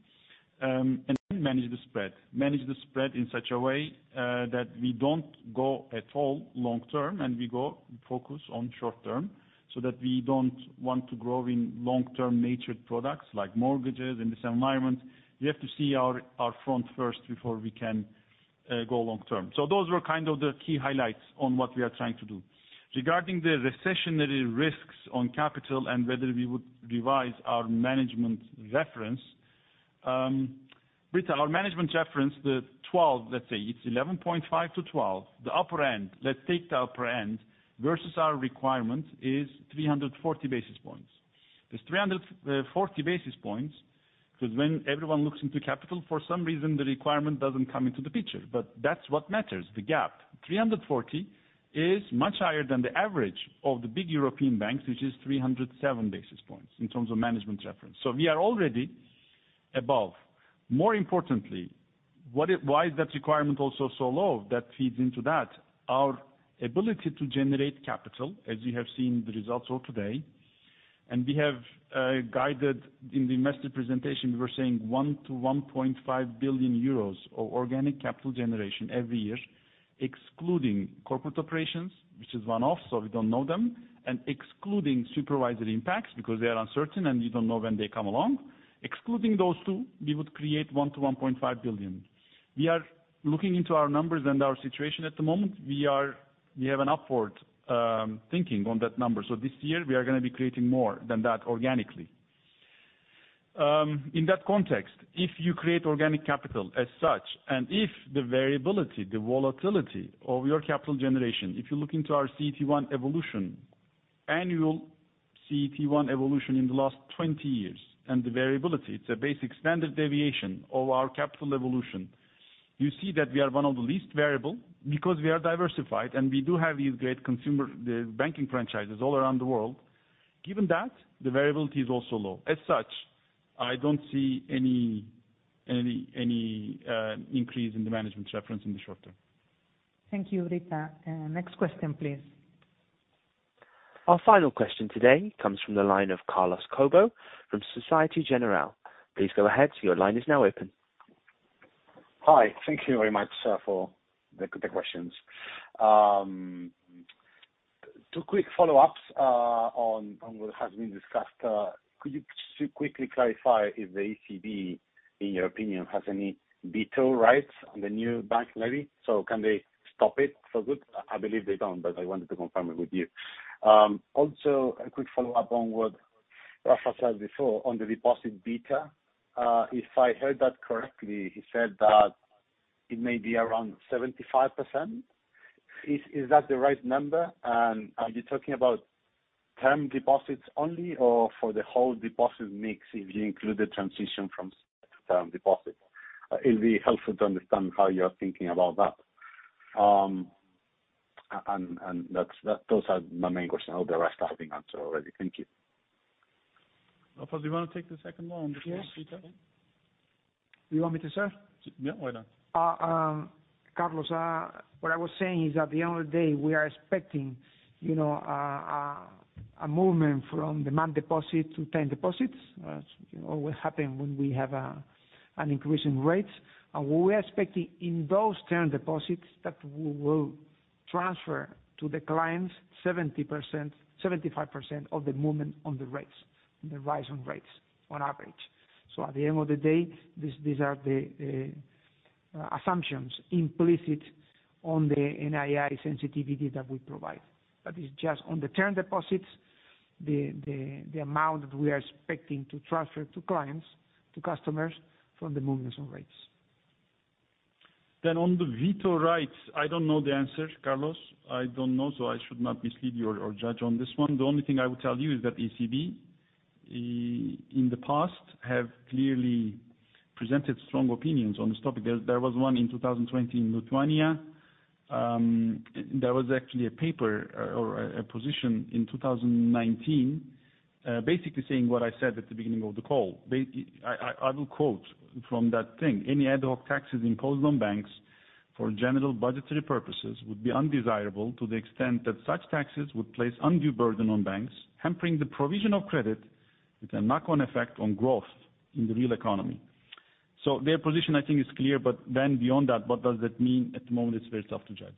and then manage the spread. Manage the spread in such a way that we don't go at all long-term, and we go focus on short-term, so that we don't want to grow in long-term natured products like mortgages. In this environment, we have to see our front first before we can go long term. Those were kind of the key highlights on what we are trying to do. Regarding the recessionary risks on capital and whether we would revise our management reference. Britta, our management reference, the 12%, let's say it's 11.5%-12%. The upper end, let's take the upper end versus our requirement is 340 basis points. This 340 basis points, 'cause when everyone looks into capital, for some reason the requirement doesn't come into the picture. But that's what matters, the gap. 340 basis points is much higher than the average of the big European banks, which is 307 basis points in terms of management reference. We are already above. More importantly, why is that requirement also so low? That feeds into that. Our ability to generate capital, as you have seen the results of today, and we have guided in the investor presentation, we were saying 1 billion- 1.5 billion euros of organic capital generation every year, excluding corporate operations, which is one-off, so we don't know them, and excluding supervisory impacts because they are uncertain, and we don't know when they come along. Excluding those two, we would create 1 billion-1.5 billion. We are looking into our numbers and our situation at the moment. We are, we have an upward thinking on that number. This year we are gonna be creating more than that organically. In that context, if you create organic capital as such, and if the variability, the volatility of your capital generation, if you look into our CET1 evolution, annual CET1 evolution in the last 20 years, and the variability, it's a basic standard deviation of our capital evolution. You see that we are one of the least variable because we are diversified, and we do have these great consumer banking franchises all around the world. Given that, the variability is also low. As such, I don't see any increase in the management buffer in the short term. Thank you, Britta. Next question, please. Our final question today comes from the line of Carlos Cobo from Société Générale. Please go ahead. Your line is now open. Hi. Thank you very much for the questions. Two quick follow-ups on what has been discussed. Could you just quickly clarify if the ECB, in your opinion, has any veto rights on the new bank levy? So can they stop it for good? I believe they don't, but I wanted to confirm it with you. Also a quick follow-up on what Rafa said before on the deposit beta. If I heard that correctly, he said that it may be around 75%. Is that the right number? And are you talking about term deposits only or for the whole deposit mix if you include the transition from term deposit? It'd be helpful to understand how you are thinking about that. And those are my main questions. All the rest I think answered already. Thank you. Rafa, do you wanna take the second one before? Yes. You go? You want me to, sir? Yeah, why not? Carlos, what I was saying is at the end of the day, we are expecting, you know, a movement from demand deposit to term deposits. You know, what happens when we have an increase in rates. We are expecting in those term deposits that we will transfer to the clients 70%-75% of the movement on the rates, on the rise on rates on average. At the end of the day, these are the assumptions implicit on the NII sensitivity that we provide. That is just on the term deposits, the amount that we are expecting to transfer to clients, to customers from the movements on rates. On the veto rights, I don't know the answer, Carlos. I don't know. I should not mislead you or judge on this one. The only thing I would tell you is that ECB in the past have clearly presented strong opinions on this topic. There was one in 2020 in Lithuania. There was actually a paper or a position in 2019, basically saying what I said at the beginning of the call. I will quote from that thing. Any ad hoc taxes imposed on banks for general budgetary purposes would be undesirable to the extent that such taxes would place undue burden on banks, hampering the provision of credit with a knock-on effect on growth in the real economy. Their position, I think, is clear, but then beyond that, what does that mean? At the moment, it's very tough to judge.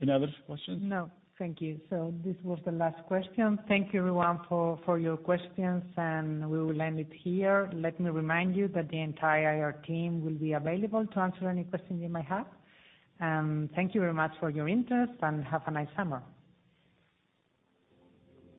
Any other questions? No, thank you. This was the last question. Thank you everyone for your questions, and we will end it here. Let me remind you that the entire IR team will be available to answer any questions you may have. Thank you very much for your interest, and have a nice summer.